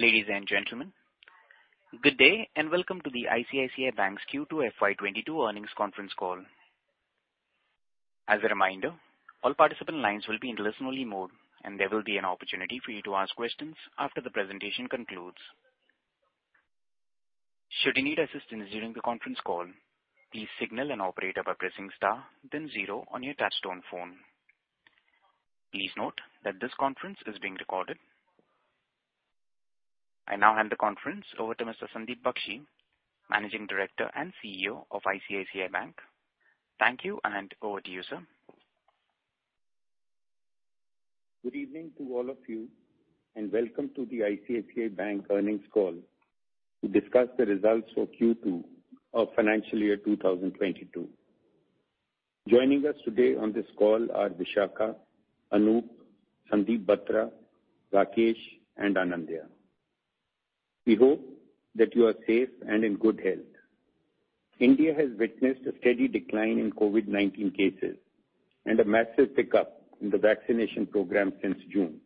Ladies and gentlemen, good day and welcome to the ICICI Bank's Q2 FY 2022 Earnings Conference Call. As a reminder, all participant lines will be in listen-only mode, and there will be an opportunity for you to ask questions after the presentation concludes. Should you need assistance during the conference call, please signal an operator by pressing star then zero on your touch-tone phone. Please note that this conference is being recorded. I now hand the conference over to Mr. Sandeep Bakhshi, Managing Director and CEO of ICICI Bank. Thank you, and over to you, sir. Good evening to all of you, and welcome to the ICICI Bank Earnings Call to discuss the results for Q2 of financial year 2022. Joining us today on this call are Vishakha, Anup, Sandeep Batra, Rakesh, and Anindya. We hope that you are safe and in good health. India has witnessed a steady decline in COVID-19 cases and a massive pickup in the vaccination program since June.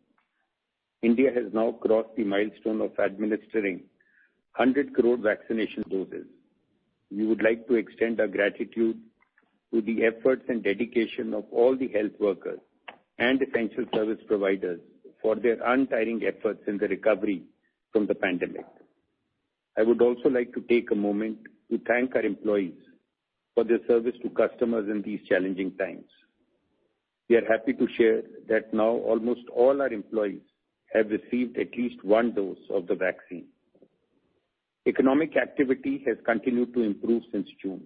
India has now crossed the milestone of administering 100 crore vaccination doses. We would like to extend our gratitude to the efforts and dedication of all the health workers and essential service providers for their untiring efforts in the recovery from the pandemic. I would also like to take a moment to thank our employees for their service to customers in these challenging times. We are happy to share that now almost all our employees have received at least one dose of the vaccine. Economic activity has continued to improve since June.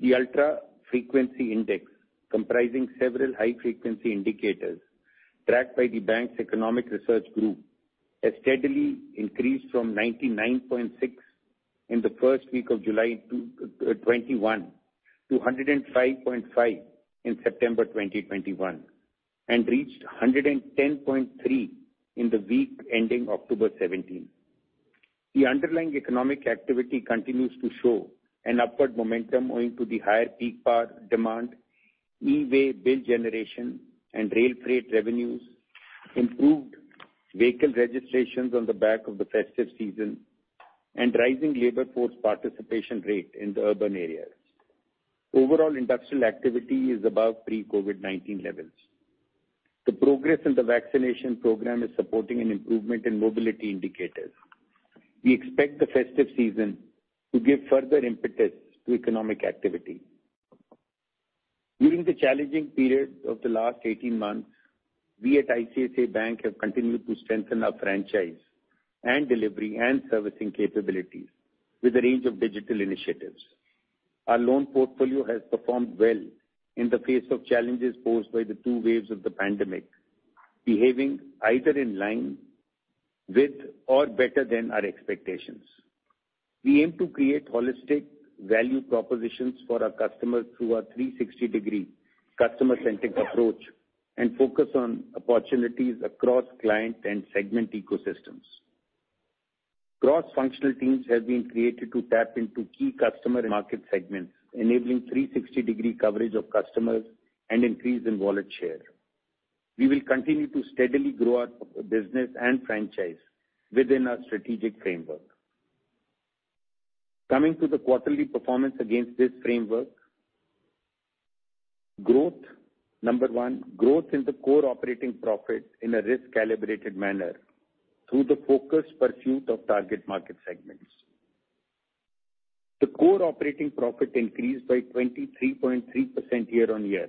The ultra-frequency index, comprising several high-frequency indicators tracked by the bank's economic research group, has steadily increased from 99.6 in the 1st week of July 2021 to 105.5 in September 2021 and reached 110.3 in the week ending October 17. The underlying economic activity continues to show an upward momentum owing to the higher peak power demand, e-way bill generation, and rail freight revenues, improved vehicle registrations on the back of the festive season, and rising labor force participation rate in the urban areas. Overall, industrial activity is above pre-COVID-19 levels. The progress in the vaccination program is supporting an improvement in mobility indicators. We expect the festive season to give further impetus to economic activity. During the challenging period of the last 18 months, we at ICICI Bank have continued to strengthen our franchise and delivery and servicing capabilities with a range of digital initiatives. Our loan portfolio has performed well in the face of challenges posed by the two waves of the pandemic, behaving either in line with or better than our expectations. We aim to create holistic value propositions for our customers through our 360-degree customer-centric approach and focus on opportunities across client and segment ecosystems. Cross-functional teams have been created to tap into key customer market segments, enabling 360-degree coverage of customers and increase in wallet share. We will continue to steadily grow our business and franchise within our strategic framework. Coming to the quarterly performance against this framework. Number one, growth in the core operating profit in a risk-calibrated manner through the focused pursuit of target market segments. The core operating profit increased by 23.3% year-on-year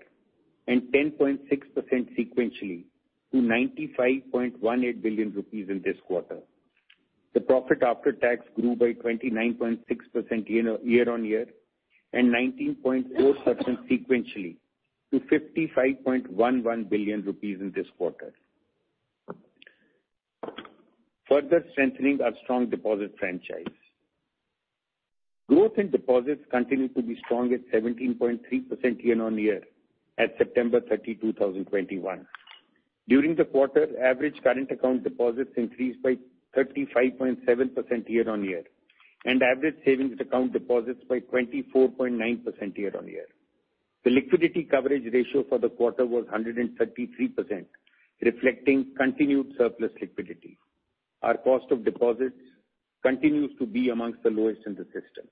and 10.6% sequentially to 95.18 billion rupees in this quarter. The profit after tax grew by 29.6% year-on-year and 19.4% sequentially to 55.11 billion rupees in this quarter. Further strengthening our strong deposit franchise. Growth in deposits continued to be strong at 17.3% year-on-year at September 30, 2021. During the quarter, average current account deposits increased by 35.7% year-on-year and average savings account deposits by 24.9% year-on-year. The liquidity coverage ratio for the quarter was 133%, reflecting continued surplus liquidity. Our cost of deposits continues to be amongst the lowest in the system.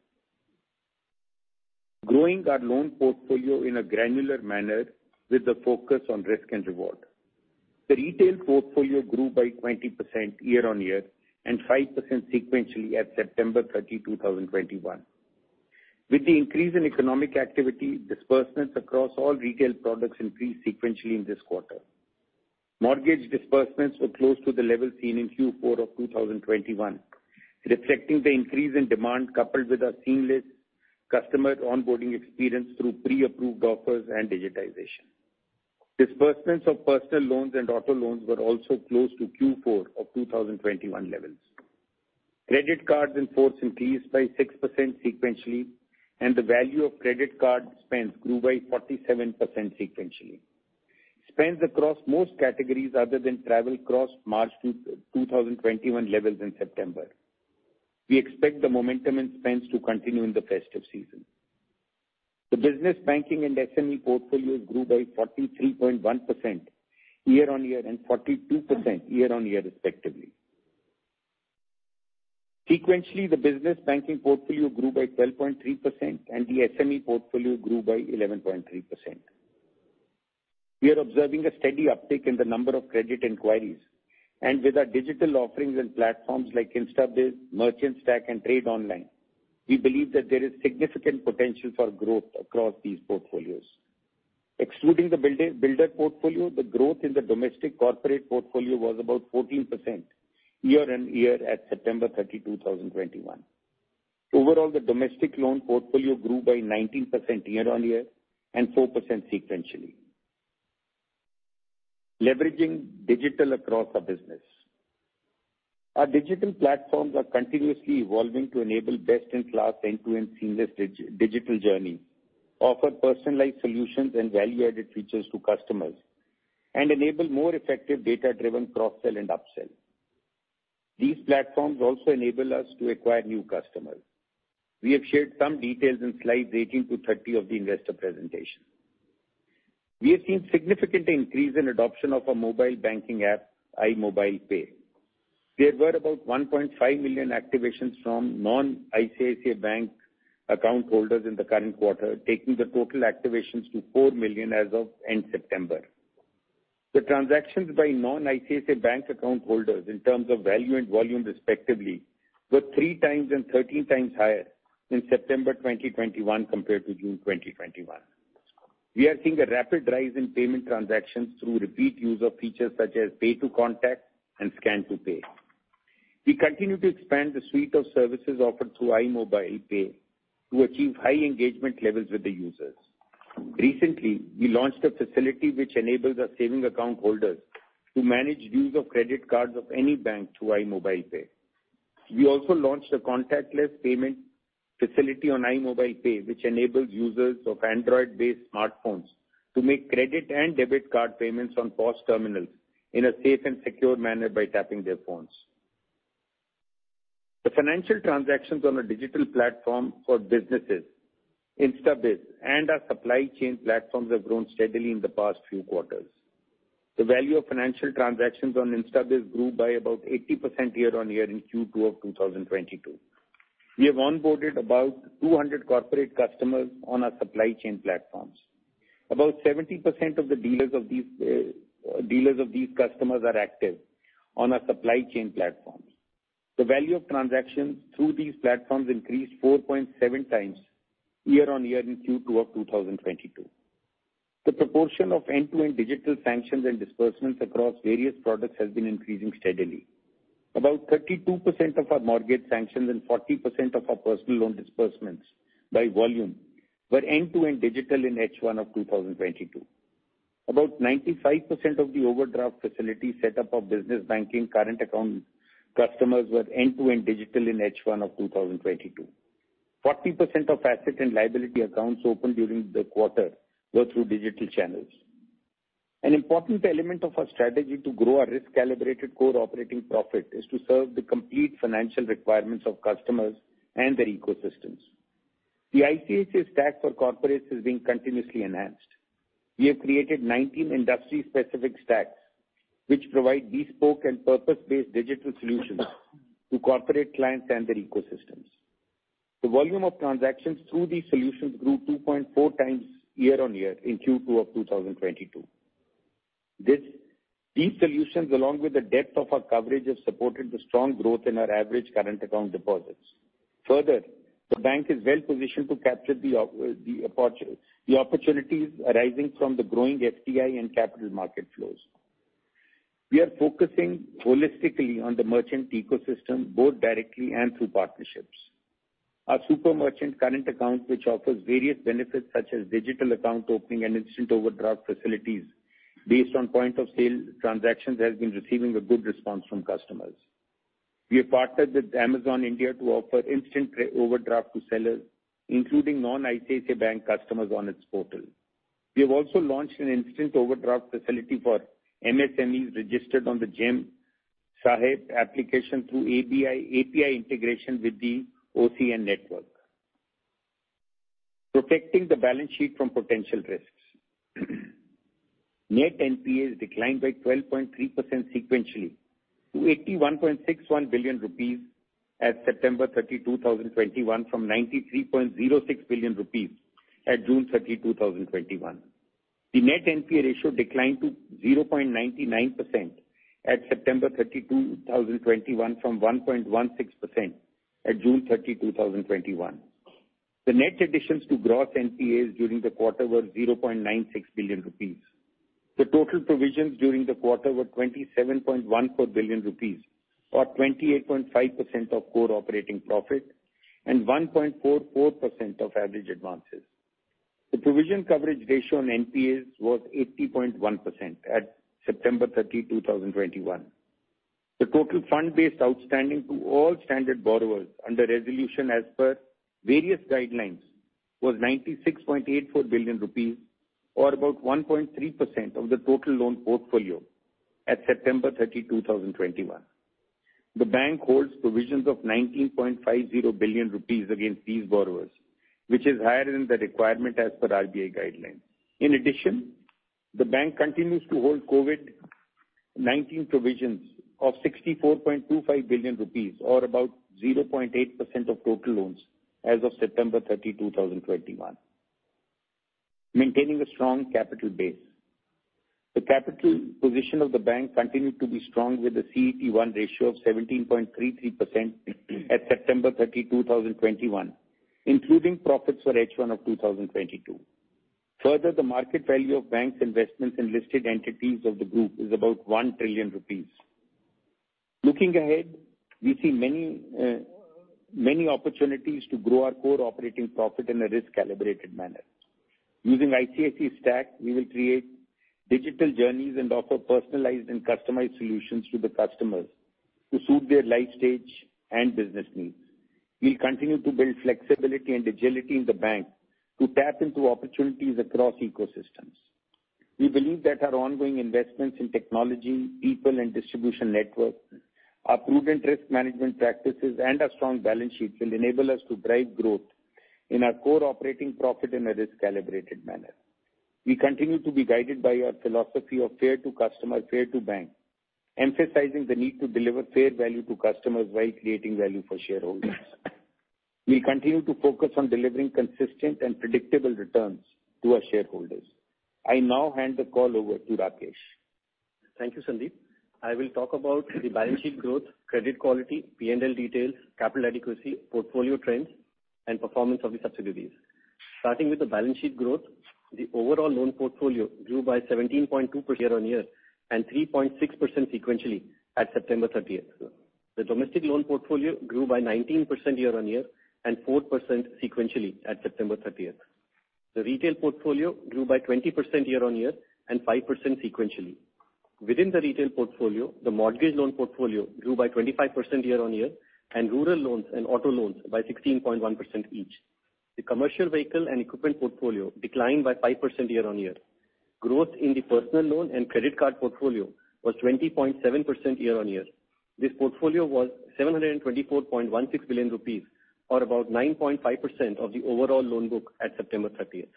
Growing our loan portfolio in a granular manner with a focus on risk and reward. The retail portfolio grew by 20% year-on-year and 5% sequentially at September 30, 2021. With the increase in economic activity, disbursements across all retail products increased sequentially in this quarter. Mortgage disbursements were close to the level seen in Q4 2021, reflecting the increase in demand, coupled with our seamless customer onboarding experience through pre-approved offers and digitization. Disbursements of personal loans and auto loans were also close to Q4 2021 levels. Credit cards in force increased by 6% sequentially, and the value of credit card spends grew by 47% sequentially. Spends across most categories other than travel crossed March 2021 levels in September. We expect the momentum in spends to continue in the festive season. The Business Banking and SME portfolios grew by 43.1% year-on-year and 42% year-on-year, respectively. Sequentially, the Business Banking portfolio grew by 12.3% and the SME portfolio grew by 11.3%. We are observing a steady uptick in the number of credit inquiries, and with our digital offerings and platforms like InstaBIZ, Merchant Stack, and Trade Online, we believe that there is significant potential for growth across these portfolios. Excluding the builder portfolio, the growth in the domestic corporate portfolio was about 14% year-on-year at September 30, 2021. Overall, the domestic loan portfolio grew by 19% year-on-year and 4% sequentially. Leveraging digital across our business, our digital platforms are continuously evolving to enable best-in-class end-to-end seamless digital journey, offer personalized solutions and value-added features to customers, and enable more effective data-driven cross-sell and up-sell. These platforms also enable us to acquire new customers. We have shared some details in slides 18 to 30 of the investor presentation. We have seen significant increase in adoption of our mobile banking app, iMobile Pay. There were about 1.5 million activations from non-ICICI Bank account holders in the current quarter, taking the total activations to 4 million as of end September. The transactions by non-ICICI Bank account holders in terms of value and volume respectively, were 3x and 13x higher in September 2021 compared to June 2021. We are seeing a rapid rise in payment transactions through repeat user features such as pay-to-contact and scan-to-pay. We continue to expand the suite of services offered through iMobile Pay to achieve high engagement levels with the users. Recently, we launched a facility which enables our saving account holders to manage use of credit cards of any bank through iMobile Pay. We also launched a contactless payment facility on iMobile Pay, which enables users of Android-based smartphones to make credit and debit card payments on POS terminals in a safe and secure manner by tapping their phones. The financial transactions on our digital platform for businesses, InstaBIZ, and our supply chain platforms have grown steadily in the past few quarters. The value of financial transactions on InstaBIZ grew by about 80% year-on-year in Q2 of 2022. We have onboarded about 200 corporate customers on our supply chain platforms. About 70% of the dealers of these customers are active on our supply chain platforms. The value of transactions through these platforms increased 4.7x year-on-year in Q2 of 2022. The proportion of end-to-end digital sanctions and disbursements across various products has been increasing steadily. About 32% of our mortgage sanctions and 40% of our personal loan disbursements by volume were end-to-end digital in H1 of 2022. About 95% of the overdraft facility set up of business banking current account customers were end-to-end digital in H1 of 2022. 40% of asset and liability accounts opened during the quarter were through digital channels. An important element of our strategy to grow our risk-calibrated core operating profit is to serve the complete financial requirements of customers and their ecosystems. The ICICI STACK for Corporates is being continuously enhanced. We have created 19 industry-specific stacks, which provide bespoke and purpose-based digital solutions to corporate clients and their ecosystems. The volume of transactions through these solutions grew 2.4x year-on-year in Q2 of 2022. These solutions, along with the depth of our coverage, have supported the strong growth in our average current account deposits. Further, the bank is well-positioned to capture the opportunities arising from the growing FDI and capital market flows. We are focusing holistically on the merchant ecosystem both directly and through partnerships. Our super merchant current account, which offers various benefits such as digital account opening and instant overdraft facilities based on point of sale transactions, has been receiving a good response from customers. We have partnered with Amazon India to offer instant overdraft to sellers, including non-ICICI Bank customers on its portal. We have also launched an instant overdraft facility for MSMEs registered on the GeM Sahay application through API integration with the OCEN network. Protecting the balance sheet from potential risks. Net NPAs declined by 12.3% sequentially to 81.61 billion rupees at September 30, 2021, from 93.06 billion rupees at June 30, 2021. The net NPA ratio declined to 0.99% at September 30, 2021, from 1.16% at June 30, 2021. The net additions to gross NPAs during the quarter were 0.96 billion rupees. The total provisions during the quarter were 27.14 billion rupees, or 28.5% of core operating profit and 1.44% of average advances. The provision coverage ratio on NPAs was 80.1% at September 30, 2021. The total fund-based outstanding to all standard borrowers under resolution as per various guidelines was 96.84 billion rupees or about 1.3% of the total loan portfolio at September 30, 2021. The bank holds provisions of 19.50 billion rupees against these borrowers, which is higher than the requirement as per RBI guidelines. In addition, the bank continues to hold COVID-19 provisions of 64.25 billion rupees, or about 0.8% of total loans as of September 30, 2021. Maintaining a strong capital base. The capital position of the bank continued to be strong, with a CET1 ratio of 17.33% at September 30, 2021, including profits for H1 of 2022. The market value of bank's investments in listed entities of the group is about 1 trillion rupees. Looking ahead, we see many opportunities to grow our core operating profit in a risk-calibrated manner. Using ICICI Stack, we will create digital journeys and offer personalized and customized solutions to the customers to suit their life stage and business needs. We'll continue to build flexibility and agility in the bank to tap into opportunities across ecosystems. We believe that our ongoing investments in technology, people and distribution network, our prudent risk management practices, and our strong balance sheet will enable us to drive growth in our core operating profit in a risk-calibrated manner. We continue to be guided by our philosophy of fair to customer, fair to bank, emphasizing the need to deliver fair value to customers while creating value for shareholders. We continue to focus on delivering consistent and predictable returns to our shareholders. I now hand the call over to Rakesh. Thank you, Sandeep. I will talk about the balance sheet growth, credit quality, P&L details, capital adequacy, portfolio trends, and performance of the subsidiaries. Starting with the balance sheet growth, the overall loan portfolio grew by 17.2% year-on-year and 3.6% sequentially at September 30th. The domestic loan portfolio grew by 19% year-on-year and 4% sequentially at September 30th. The retail portfolio grew by 20% year-on-year and 5% sequentially. Within the retail portfolio, the mortgage loan portfolio grew by 25% year-on-year and rural loans and auto loans by 16.1% each. The commercial vehicle and equipment portfolio declined by 5% year-on-year. Growth in the personal loan and credit card portfolio was 20.7% year-on-year. This portfolio was 724.16 billion rupees or about 9.5% of the overall loan book at September 30th.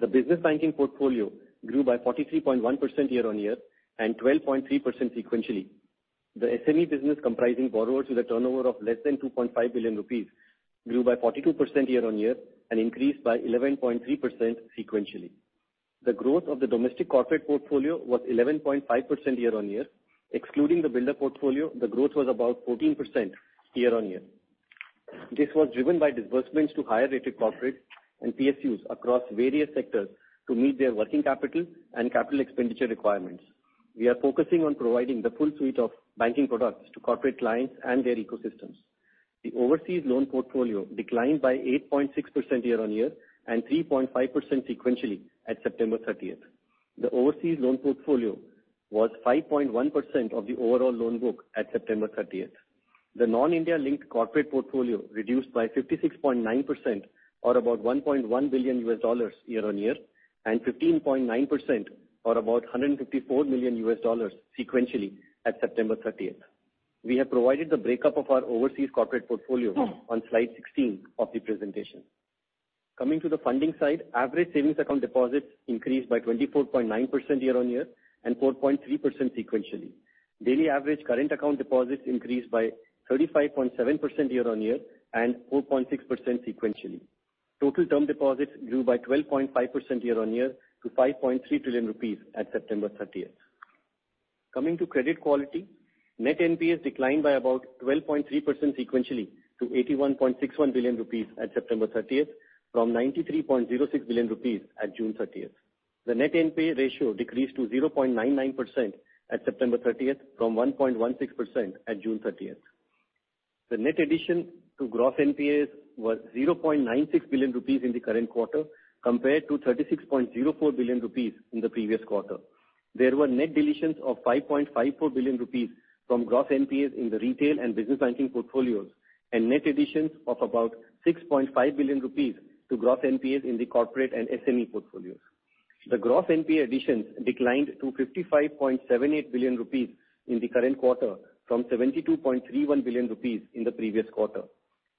The business banking portfolio grew by 43.1% year-on-year and 12.3% sequentially. The SME business, comprising borrowers with a turnover of less than 2.5 billion rupees, grew by 42% year-on-year and increased by 11.3% sequentially. The growth of the domestic corporate portfolio was 11.5% year-on-year. Excluding the builder portfolio, the growth was about 14% year-on-year. This was driven by disbursements to higher-rated corporate and PSUs across various sectors to meet their working capital and capital expenditure requirements. We are focusing on providing the full suite of banking products to corporate clients and their ecosystems. The overseas loan portfolio declined by 8.6% year-on-year and 3.5% sequentially at September 30th. The overseas loan portfolio was 5.1% of the overall loan book at September 30th. The non-India linked corporate portfolio reduced by 56.9% or about $1.1 billion year-on-year and 15.9% or about $154 million sequentially at September 30th. We have provided the breakup of our overseas corporate portfolio on slide 16 of the presentation. Coming to the funding side, average savings account deposits increased by 24.9% year-on-year and 4.3% sequentially. Daily average current account deposits increased by 35.7% year-on-year and 4.6% sequentially. Total term deposits grew by 12.5% year-on-year to 5.3 trillion rupees at September 30th. Coming to credit quality, net NPAs declined by about 12.3% sequentially to 81.61 billion rupees at September 30th from 93.06 billion rupees at June 30th. The net NPA ratio decreased to 0.99% at September 30th from 1.16% at June 30th. The net addition to gross NPAs was 0.96 billion rupees in the current quarter compared to 36.04 billion rupees in the previous quarter. There were net deletions of 5.54 billion rupees from gross NPAs in the retail and business banking portfolios and net additions of about 6.5 billion rupees to gross NPAs in the corporate and SME portfolios. The gross NPA additions declined to 55.78 billion rupees in the current quarter from 72.31 billion rupees in the previous quarter.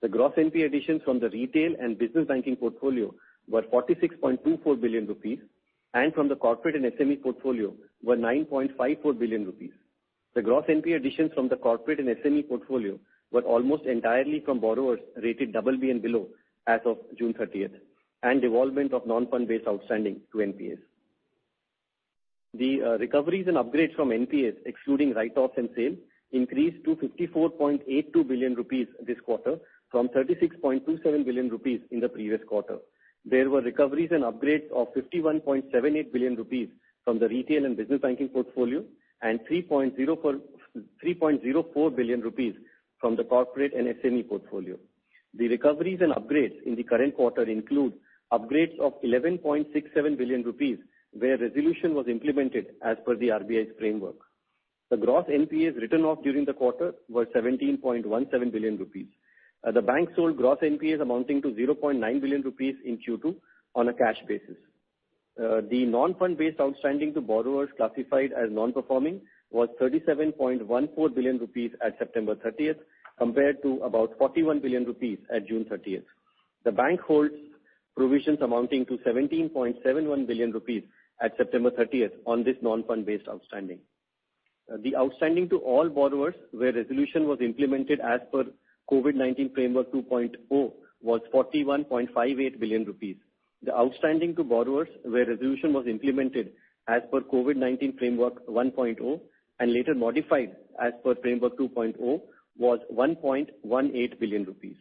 The gross NPA additions from the retail and business banking portfolio were 46.24 billion rupees and from the corporate and SME portfolio were 9.54 billion rupees. The gross NPA additions from the corporate and SME portfolio were almost entirely from borrowers rated double B and below as of June 30th, and evolvement of non-fund based outstanding to NPAs. The recoveries and upgrades from NPAs excluding write-offs and sale increased to 54.82 billion rupees this quarter from 36.27 billion rupees in the previous quarter. There were recoveries and upgrades of 51.78 billion rupees from the retail and business banking portfolio and 3.04 billion rupees from the corporate and SME portfolio. The recoveries and upgrades in the current quarter include upgrades of 11.67 billion rupees, where resolution was implemented as per the RBI's framework. The gross NPAs written off during the quarter were 17.17 billion rupees. The bank sold gross NPAs amounting to 0.9 billion rupees in Q2 on a cash basis. The non-fund based outstanding to borrowers classified as non-performing was 37.14 billion rupees at September 30th, compared to about 41 billion rupees at June 30th. The bank holds provisions amounting to 17.71 billion rupees at September 30th on this non-fund based outstanding. The outstanding to all borrowers, where resolution was implemented as per Resolution Framework 2.0, was 41.58 billion rupees. The outstanding to borrowers, where resolution was implemented as per Resolution Framework 1.0 and later modified as per Resolution Framework 2.0, was 1.18 billion rupees.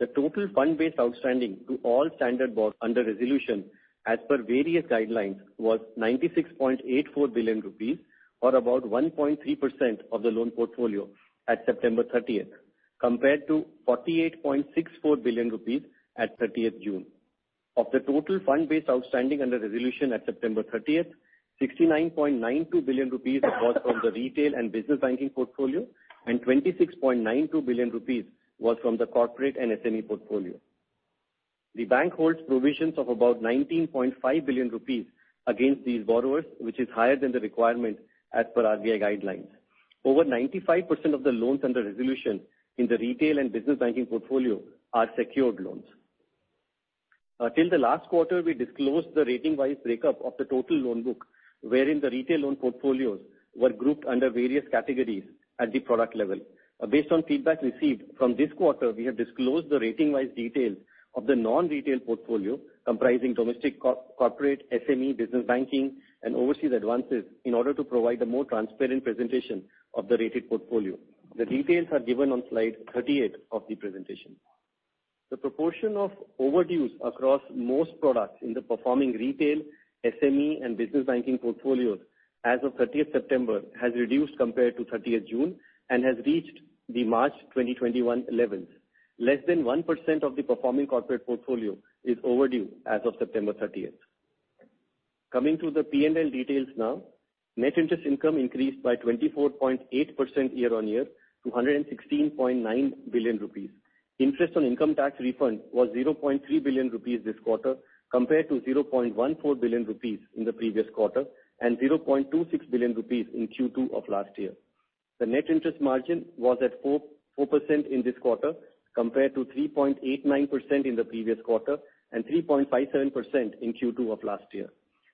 The total fund-based outstanding to all standard borrowers under resolution as per various guidelines was 96.84 billion rupees or about 1.3% of the loan portfolio at September 30th, compared to 48.64 billion rupees at June 30th. Of the total fund-based outstanding under resolution at September 30th, 69.92 billion rupees was from the retail and business banking portfolio and 26.92 billion rupees was from the corporate and SME portfolio. The bank holds provisions of about 19.5 billion rupees against these borrowers, which is higher than the requirement as per RBI guidelines. Over 95% of the loans under resolution in the retail and business banking portfolio are secured loans. Until the last quarter, we disclosed the rating-wise breakup of the total loan book, wherein the retail loan portfolios were grouped under various categories at the product level. Based on feedback received from this quarter, we have disclosed the rating-wise details of the non-retail portfolio comprising domestic corporate, SME, business banking, and overseas advances in order to provide a more transparent presentation of the rated portfolio. The details are given on slide 38 of the presentation. The proportion of overdues across most products in the performing retail, SME, and business banking portfolios as of 30th September has reduced compared to 30th June and has reached the March 2021 levels. Less than 1% of the performing corporate portfolio is overdue as of September 30th. Coming to the P&L details now. Net interest income increased by 24.8% year-on-year to 116.9 billion rupees. Interest on income tax refund was 0.3 billion rupees this quarter compared to 0.14 billion rupees in the previous quarter and 0.26 billion rupees in Q2 of last year. The net interest margin was at 4% in this quarter compared to 3.89% in the previous quarter and 3.57% in Q2 of last year.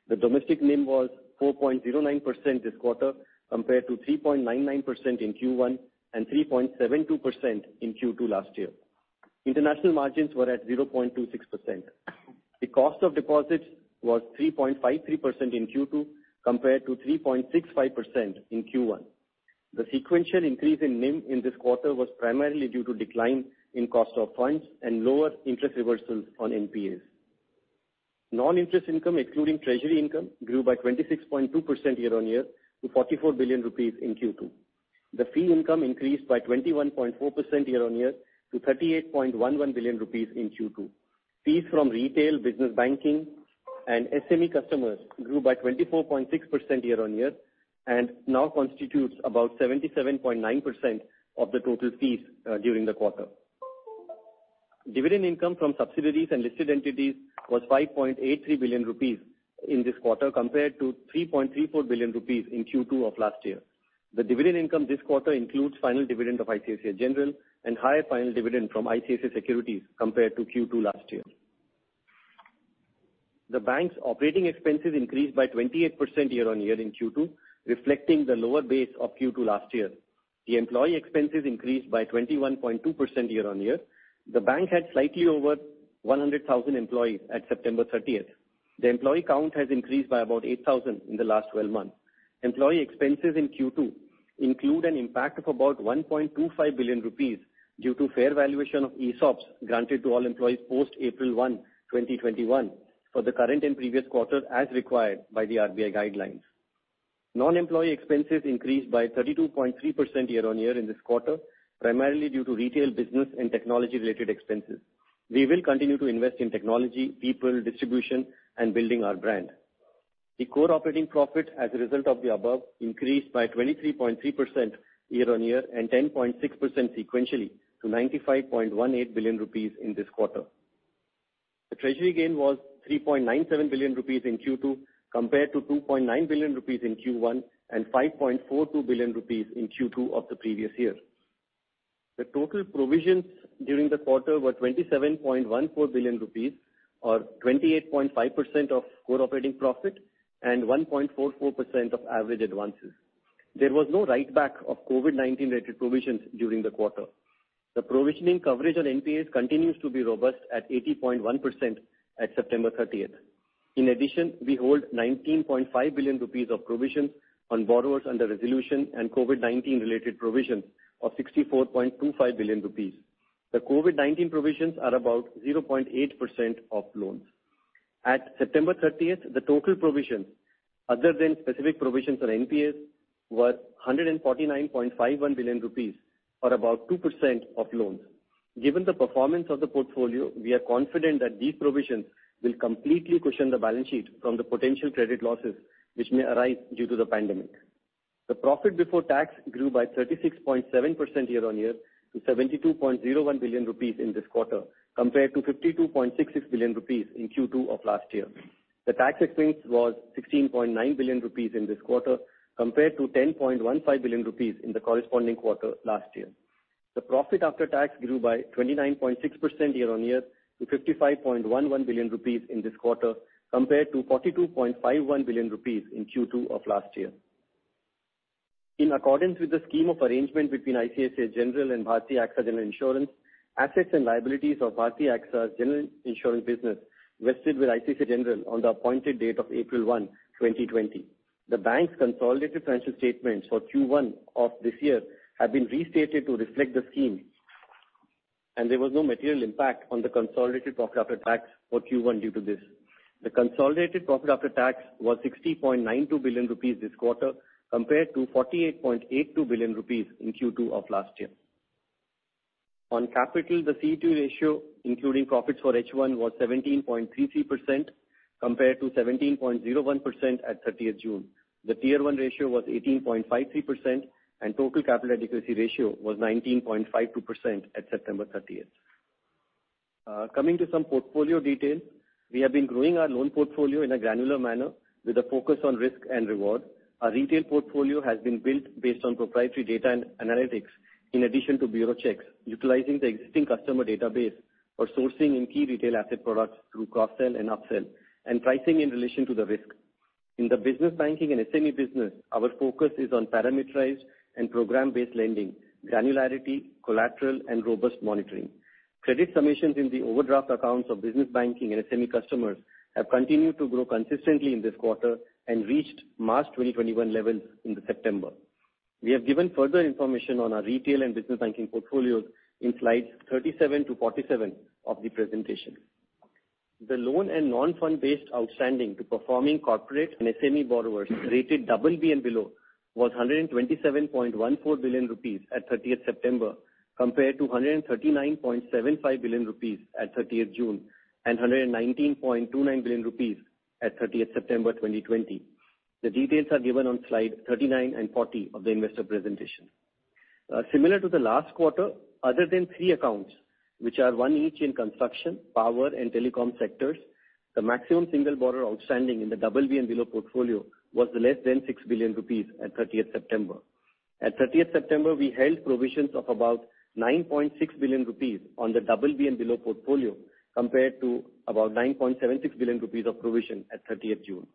The domestic NIM was 4.09% this quarter compared to 3.99% in Q1 and 3.72% in Q2 last year. International margins were at 0.26%. The cost of deposits was 3.53% in Q2 compared to 3.65% in Q1. The sequential increase in NIM in this quarter was primarily due to decline in cost of funds and lower interest reversals on NPAs. Non-interest income, including treasury income, grew by 26.2% year-on-year to 44 billion rupees in Q2. The fee income increased by 21.4% year-on-year to 38.11 billion rupees in Q2. Fees from retail business banking and SME customers grew by 24.6% year-on-year and now constitutes about 77.9% of the total fees during the quarter. Dividend income from subsidiaries and listed entities was 5.83 billion rupees in this quarter compared to 3.34 billion rupees in Q2 of last year. The dividend income this quarter includes final dividend of ICICI General and higher final dividend from ICICI Securities compared to Q2 last year. The bank's operating expenses increased by 28% year-on-year in Q2, reflecting the lower base of Q2 last year. The employee expenses increased by 21.2% year-on-year. The bank had slightly over 100,000 employees at September 30th. The employee count has increased by about 8,000 in the last 12 months. Employee expenses in Q2 include an impact of about 1.25 billion rupees due to fair valuation of ESOPs granted to all employees post April 1, 2021, for the current and previous quarter as required by the RBI guidelines. Non-employee expenses increased by 32.3% year-on-year in this quarter, primarily due to retail business and technology-related expenses. We will continue to invest in technology, people, distribution, and building our brand. The core operating profit as a result of the above increased by 23.3% year-on-year and 10.6% sequentially to 95.18 billion rupees in this quarter. The treasury gain was 3.97 billion rupees in Q2 compared to 2.9 billion rupees in Q1 and 5.42 billion rupees in Q2 of the previous year. The total provisions during the quarter were 27.14 billion rupees or 28.5% of core operating profit and 1.44% of average advances. There was no write-back of COVID-19 related provisions during the quarter. The provisioning coverage on NPAs continues to be robust at 80.1% at September 30th. In addition, we hold 19.5 billion rupees of provisions on borrowers under resolution and COVID-19 related provisions of 64.25 billion rupees. The COVID-19 provisions are about 0.8% of loans. At September 30th, the total provisions, other than specific provisions on NPAs, were 149.51 billion rupees or about 2% of loans. Given the performance of the portfolio, we are confident that these provisions will completely cushion the balance sheet from the potential credit losses which may arise due to the pandemic. The profit before tax grew by 36.7% year-on-year to 72.01 billion rupees in this quarter, compared to 52.66 billion rupees in Q2 of last year. The tax expense was 16.9 billion rupees in this quarter, compared to 10.15 billion rupees in the corresponding quarter last year. The profit after tax grew by 29.6% year-on-year to 55.11 billion rupees in this quarter, compared to 42.51 billion rupees in Q2 of last year. In accordance with the scheme of arrangement between ICICI Lombard General Insurance and Bharti AXA General Insurance, assets and liabilities of Bharti AXA's general insurance business vested with ICICI Lombard General Insurance on the appointed date of April 1, 2020. The Bank's consolidated financial statements for Q1 of this year have been restated to reflect the scheme, and there was no material impact on the consolidated profit after tax for Q1 due to this. The consolidated profit after tax was 60.92 billion rupees this quarter, compared to 48.82 billion rupees in Q2 of last year. On capital, the CET1 ratio including profits for H1 was 17.33%, compared to 17.01% at 30th June. The Tier 1 ratio was 18.53%, and total capital adequacy ratio was 19.52% at September 30th. Coming to some portfolio details, we have been growing our loan portfolio in a granular manner with a focus on risk and reward. Our retail portfolio has been built based on proprietary data and analytics, in addition to bureau checks utilizing the existing customer database or sourcing in key retail asset products through cross-sell and up-sell, and pricing in relation to the risk. In the business banking and SME business, our focus is on parameterized and program-based lending, granularity, collateral, and robust monitoring. Credit submissions in the overdraft accounts of business banking and SME customers have continued to grow consistently in this quarter and reached March 2021 levels in September. We have given further information on our retail and business banking portfolios in slides 37 to 47 of the presentation. The loan and non-fund based outstanding to performing corporate and SME borrowers rated BB and below was 127.14 billion rupees at 30th September, compared to 139.75 billion rupees at 30th June and 119.29 billion rupees at 30th September 2020. The details are given on slide 39 and 40 of the investor presentation. Similar to the last quarter, other than three accounts, which are one each in construction, power, and telecom sectors, the maximum single borrower outstanding in the BB and below portfolio was less than 6 billion rupees at 30th September. At 30th September, we held provisions of about 9.6 billion rupees on the BB and below portfolio compared to about 9.76 billion rupees of provision at 30th June.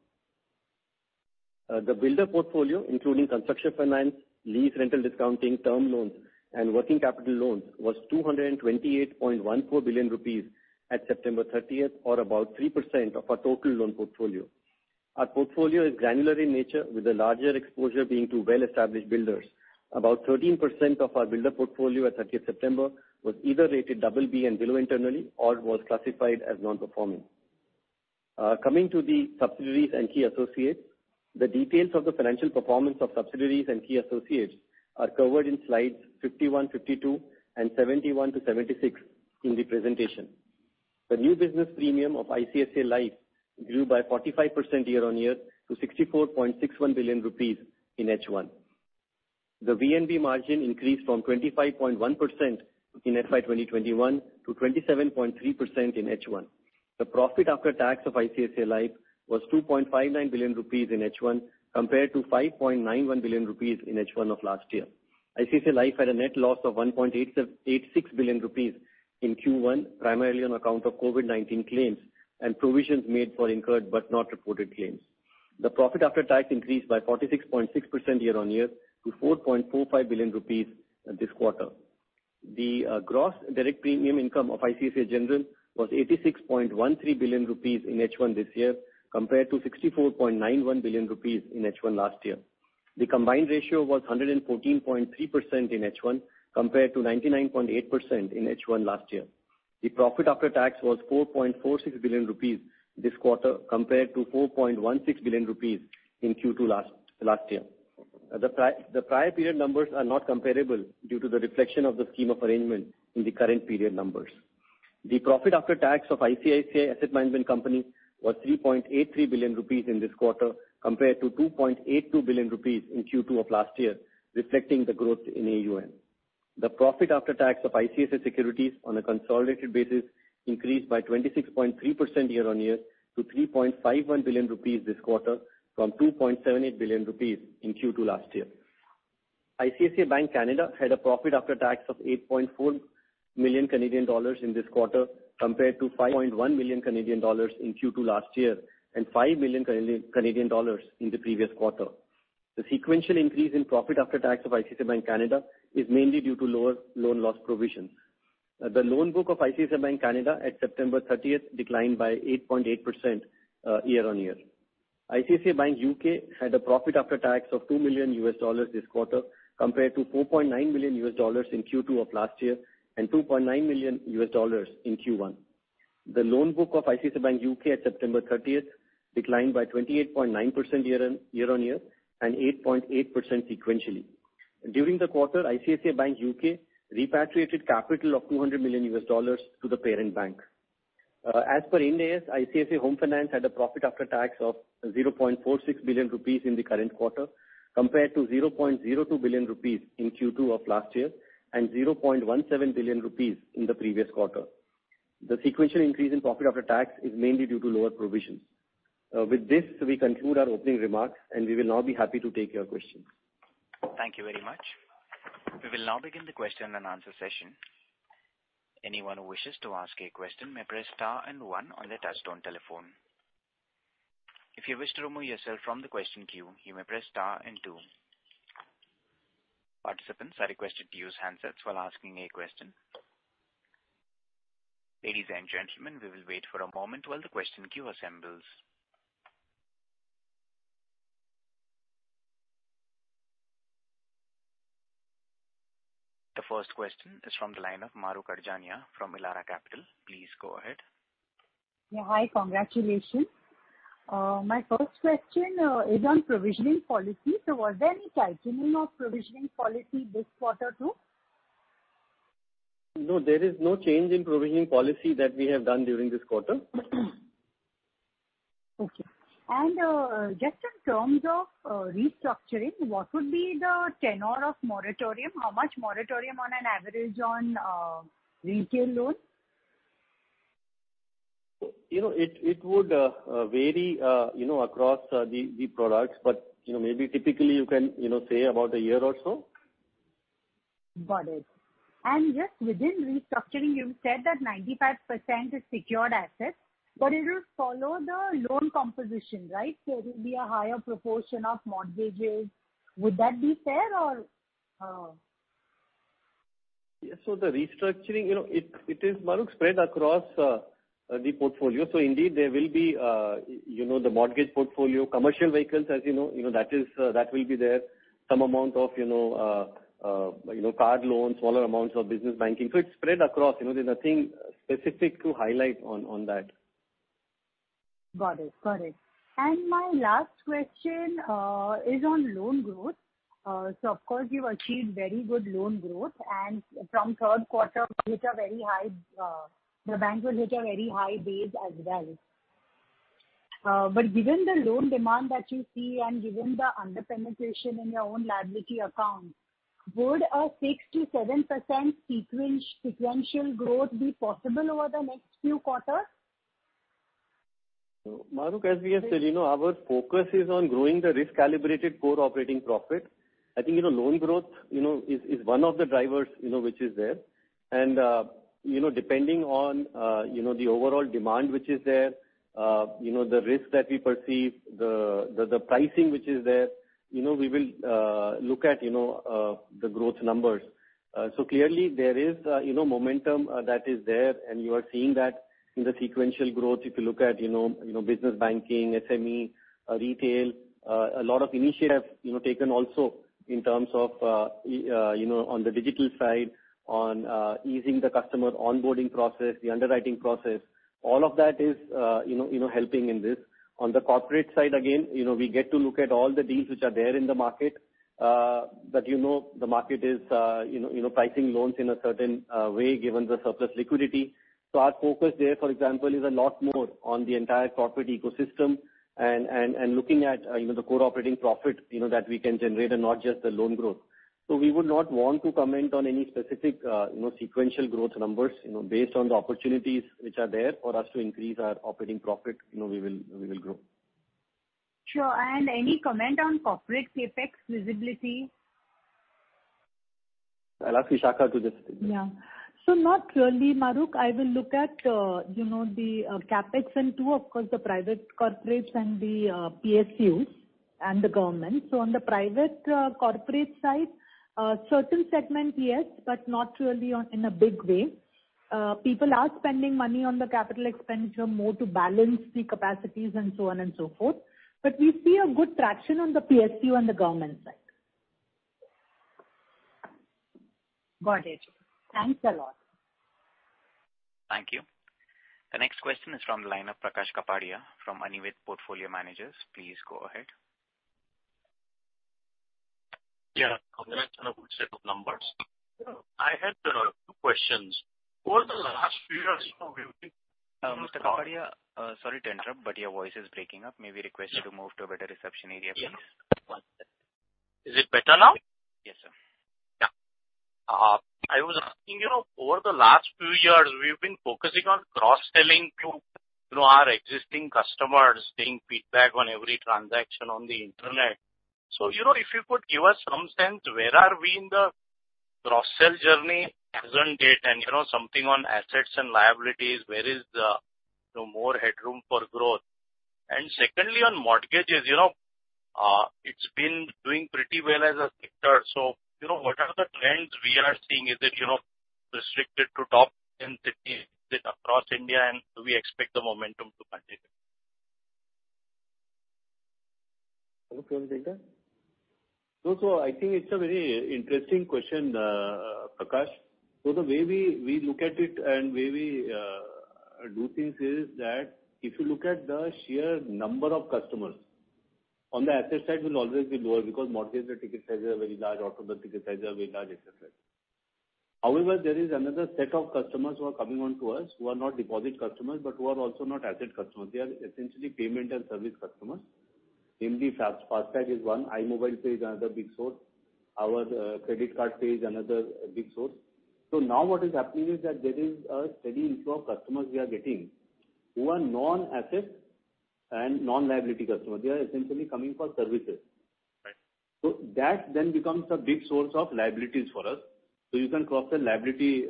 The builder portfolio, including construction finance, lease rental discounting, term loans, and working capital loans, was 228.14 billion rupees at September 30th, or about 3% of our total loan portfolio. Our portfolio is granular in nature, with a larger exposure being to well-established builders. About 13% of our builder portfolio at 30th September was either rated BB and below internally or was classified as non-performing. Coming to the subsidiaries and key associates. The details of the financial performance of subsidiaries and key associates are covered in slides 51, 52 and 71 to 76 in the presentation. The new business premium of ICICI Life grew by 45% year-on-year to 64.61 billion rupees in H1. The VNB margin increased from 25.1% in FY 2021 to 27.3% in H1. The profit after tax of ICICI Life was 2.59 billion rupees in H1 compared to 5.91 billion rupees in H1 of last year. ICICI Life had a net loss of 1.86 billion rupees in Q1, primarily on account of COVID-19 claims and provisions made for incurred but not reported claims. The profit after tax increased by 46.6% year-on-year to 4.45 billion rupees this quarter. The gross direct premium income of ICICI General was 86.13 billion rupees in H1 this year compared to 64.91 billion rupees in H1 last year. The combined ratio was 114.3% in H1 compared to 99.8% in H1 last year. The profit after tax was 4.46 billion rupees this quarter compared to 4.16 billion rupees in Q2 last year. The prior period numbers are not comparable due to the reflection of the scheme of arrangement in the current period numbers. The profit after tax of ICICI Prudential Asset Management Company was 3.83 billion rupees in this quarter compared to 2.82 billion rupees in Q2 of last year, reflecting the growth in AUM. The profit after tax of ICICI Securities on a consolidated basis increased by 26.3% year-on-year to 3.51 billion rupees this quarter from 2.78 billion rupees in Q2 last year. ICICI Bank Canada had a profit after tax of 8.4 million Canadian dollars in this quarter, compared to 5.1 million Canadian dollars in Q2 last year and 5 million Canadian dollars in the previous quarter. The sequential increase in profit after tax of ICICI Bank Canada is mainly due to lower loan loss provisions. The loan book of ICICI Bank Canada at September 30th declined by 8.8% year-on-year. ICICI Bank UK had a profit after tax of $2 million this quarter, compared to $4.9 million in Q2 of last year and $2.9 million in Q1. The loan book of ICICI Bank UK at September 30th declined by 28.9% year-on-year and 8.8% sequentially. During the quarter, ICICI Bank UK repatriated capital of $200 million to the parent bank. As per Ind AS, ICICI Home Finance had a profit after tax of 0.46 billion rupees in the current quarter, compared to 0.02 billion rupees in Q2 of last year and 0.17 billion rupees in the previous quarter. The sequential increase in profit after tax is mainly due to lower provisions. With this, we conclude our opening remarks, and we will now be happy to take your questions. Thank you very much. We will now begin the question and answer session. Ladies and gentlemen, we will wait for a moment while the question queue assembles. The first question is from the line of Mahrukh Adajania from Elara Capital. Please go ahead. Yeah. Hi. Congratulations. My first question is on provisioning policy. Was there any tightening of provisioning policy this quarter, too? No, there is no change in provisioning policy that we have done during this quarter. Okay. Just in terms of restructuring, what would be the tenure of moratorium? How much moratorium on an average on retail loans? It would vary across the products, but maybe typically you can say about a year or so. Got it. Just within restructuring, you said that 95% is secured assets, but it will follow the loan composition, right? It will be a higher proportion of mortgages. Would that be fair? Yeah. The restructuring, it is, Mahrukh, spread across the portfolio. Indeed, there will be the mortgage portfolio, commercial vehicles, as you know, that will be there, some amount of card loans, smaller amounts of business banking. It's spread across. There's nothing specific to highlight on that. Got it. Correct. My last question is on loan growth. Of course, you've achieved very good loan growth, and from third quarter, the bank will hit a very high base as well. Given the loan demand that you see and given the under-penetration in your own liability account, would a 6%-7% sequential growth be possible over the next few quarters? Mahrukh, as we have said, our focus is on growing the risk-calibrated core operating profit. I think, loan growth is one of the drivers which is there, and depending on the overall demand which is there, the risk that we perceive, the pricing which is there, we will look at the growth numbers. Clearly, there is momentum that is there, and you are seeing that in the sequential growth. If you look at business banking, SME, retail, a lot of initiatives taken also in terms of on the digital side, on easing the customer onboarding process, the underwriting process, all of that is helping in this. On the corporate side, again, we get to look at all the deals which are there in the market, but the market is pricing loans in a certain way given the surplus liquidity. Our focus there, for example, is a lot more on the entire corporate ecosystem and looking at the core operating profit, that we can generate and not just the loan growth. We would not want to comment on any specific sequential growth numbers. Based on the opportunities which are there for us to increase our operating profit, we will grow. Sure. Any comment on corporate CapEx visibility? I'll ask Vishakha to. Yeah. Not really, Mahrukh. I will look at the CapEx into, of course, the private corporates and the PSUs and the government. On the private corporate side, certain segment, yes, but not really in a big way. People are spending money on the capital expenditure more to balance the capacities and so on and so forth. We see a good traction on the PSU and the government side. Got it. Thanks a lot. Thank you. The next question is from the line of Prakash Kapadia from Anived Portfolio Managers. Please go ahead. Yeah. Congratulations on a good set of numbers. I had two questions. Mr. Kapadia, sorry to interrupt, but your voice is breaking up. May we request you to move to a better reception area, please? Yes. Is it better now? Yes, sir. I was asking, over the last few years, we've been focusing on cross-selling to our existing customers, seeing feedback on every transaction on the internet. If you could give us some sense, where are we in the cross-sell journey as on date, and something on assets and liabilities, where is the more headroom for growth? Secondly, on mortgages, it's been doing pretty well as a sector. What are the trends we are seeing? Is it restricted to top 10 cities? Is it across India, and do we expect the momentum to continue? Mahrukh, you want to take that? I think it's a very interesting question, Prakash. The way we look at it and way we do things is that if you look at the sheer number of customers. On the asset side will always be lower because mortgage, the ticket sizes are very large, auto, the ticket sizes are very large, et cetera. There is another set of customers who are coming on to us who are not deposit customers but who are also not asset customers. They are essentially payment and service customers. FASTag is one, iMobile Pay is another big source. Our credit card pay is another big source. Now what is happening is that there is a steady inflow of customers we are getting who are non-asset and non-liability customers. They are essentially coming for services That then becomes a big source of liabilities for us. You can cross the liability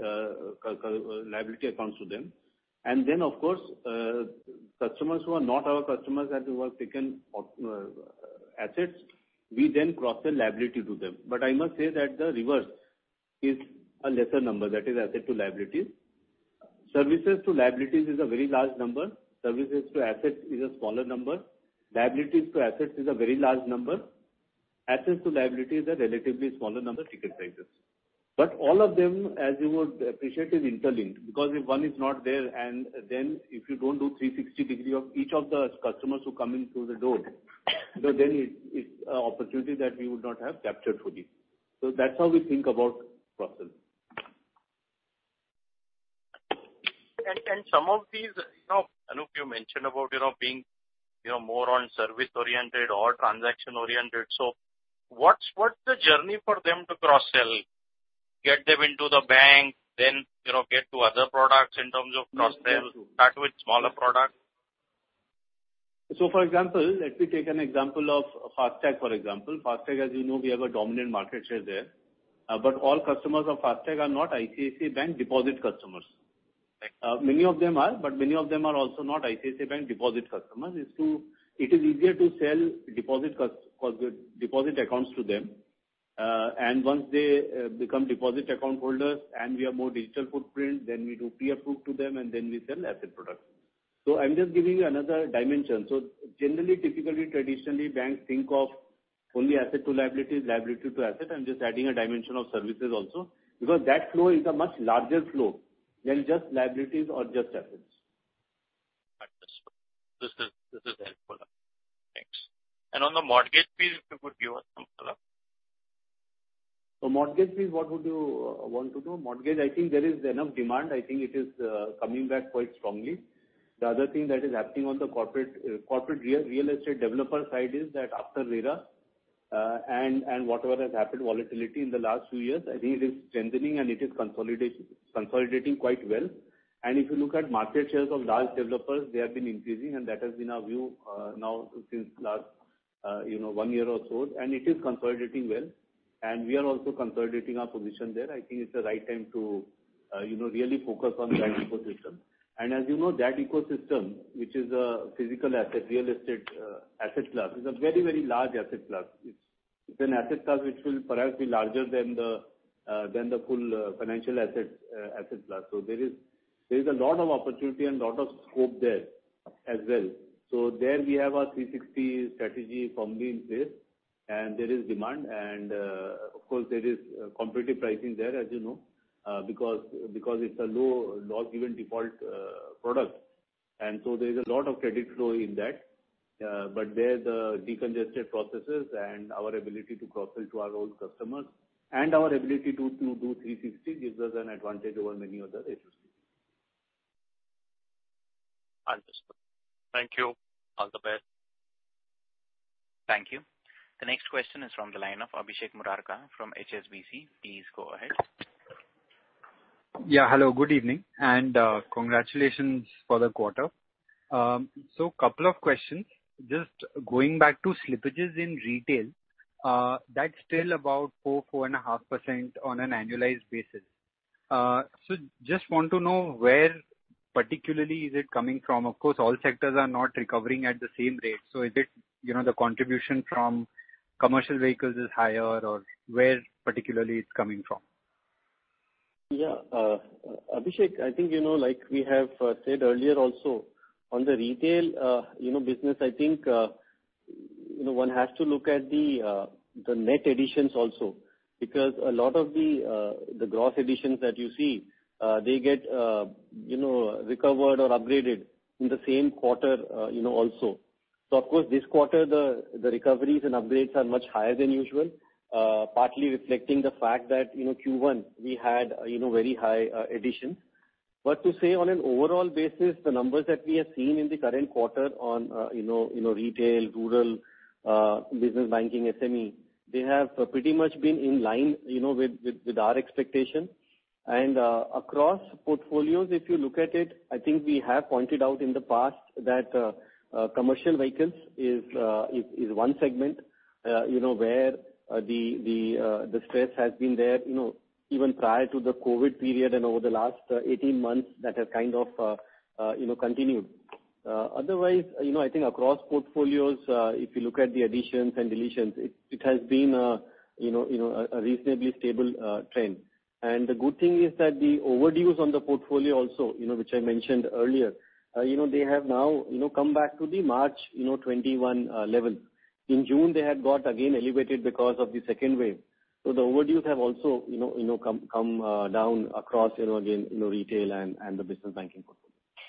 accounts to them. Then, of course, customers who are not our customers, as we have taken assets, we then cross the liability to them. I must say that the reverse is a lesser number, that is asset to liability. Services to liabilities is a very large number. Services to assets is a smaller number. Liabilities to assets is a very large number. Assets to liabilities are relatively smaller number ticket sizes. All of them, as you would appreciate, is interlinked, because if 1 is not there and if you don't do 360 degree of each of the customers who come in through the door, it's an opportunity that we would not have captured fully. That's how we think about process. Some of these, Anup, you mentioned about being more on service-oriented or transaction-oriented. What's the journey for them to cross-sell, get them into the bank, then get to other products in terms of cross-sell, start with smaller products? For example, let me take an example of FASTag, for example. FASTag, as you know, we have a dominant market share there. All customers of FASTag are not ICICI Bank deposit customers. Many of them are, but many of them are also not ICICI Bank deposit customers. It is easier to sell deposit accounts to them. Once they become deposit account holders and we have more digital footprint, then we do pre-approve to them and then we sell asset products. I'm just giving you another dimension. Generally, typically, traditionally, banks think of only asset to liabilities, liability to asset. I'm just adding a dimension of services also, because that flow is a much larger flow than just liabilities or just assets. Understood. This is helpful. Thanks. On the mortgage piece, if you could give us some color. What would you want to know? Mortgage, I think there is enough demand. I think it is coming back quite strongly. The other thing that is happening on the corporate real estate developer side is that after RERA, and whatever has happened, volatility in the last few years, I think it is strengthening and it is consolidating quite well. If you look at market shares of large developers, they have been increasing, and that has been our view now since last 1 year or so. It is consolidating well, and we are also consolidating our position there. I think it's the right time to really focus on that ecosystem. As you know, that ecosystem, which is a physical asset, real estate asset class, is a very large asset class. It's an asset class which will perhaps be larger than the full financial asset class. There is a lot of opportunity and lot of scope there as well. There we have our 360 strategy firmly in place and there is demand and, of course, there is competitive pricing there, as you know, because it's a low loss given default product. There is a lot of credit flow in that. There, the de-congested processes and our ability to cross-sell to our own customers and our ability to do 360 gives us an advantage over many other institutions. Understood. Thank you. All the best. Thank you. The next question is from the line of Abhishek Murarka from HSBC. Please go ahead. Hello, good evening and congratulations for the quarter. A couple of questions. Just going back to slippages in retail, that's still about 4%-4.5% on an annualized basis. I just want to know where particularly is it coming from. Of course, all sectors are not recovering at the same rate. Is it the contribution from commercial vehicles is higher, or where particularly it's coming from? Yeah. Abhishek, I think, like we have said earlier also, on the retail business, I think one has to look at the net additions also because a lot of the gross additions that you see, they get recovered or upgraded in the same quarter also. Of course this quarter, the recoveries and upgrades are much higher than usual, partly reflecting the fact that Q1, we had very high additions. To say on an overall basis, the numbers that we have seen in the current quarter on retail, rural, business banking, SME, they have pretty much been in line with our expectation. Across portfolios, if you look at it, I think we have pointed out in the past that commercial vehicles is one segment where the stress has been there even prior to the COVID period and over the last 18 months, that has kind of continued. Otherwise, I think across portfolios, if you look at the additions and deletions, it has been a reasonably stable trend. The good thing is that the overdues on the portfolio also, which I mentioned earlier, they have now come back to the March 2021 level. In June, they had got again elevated because of the second wave. The overdues have also come down across again, retail and the business banking portfolio.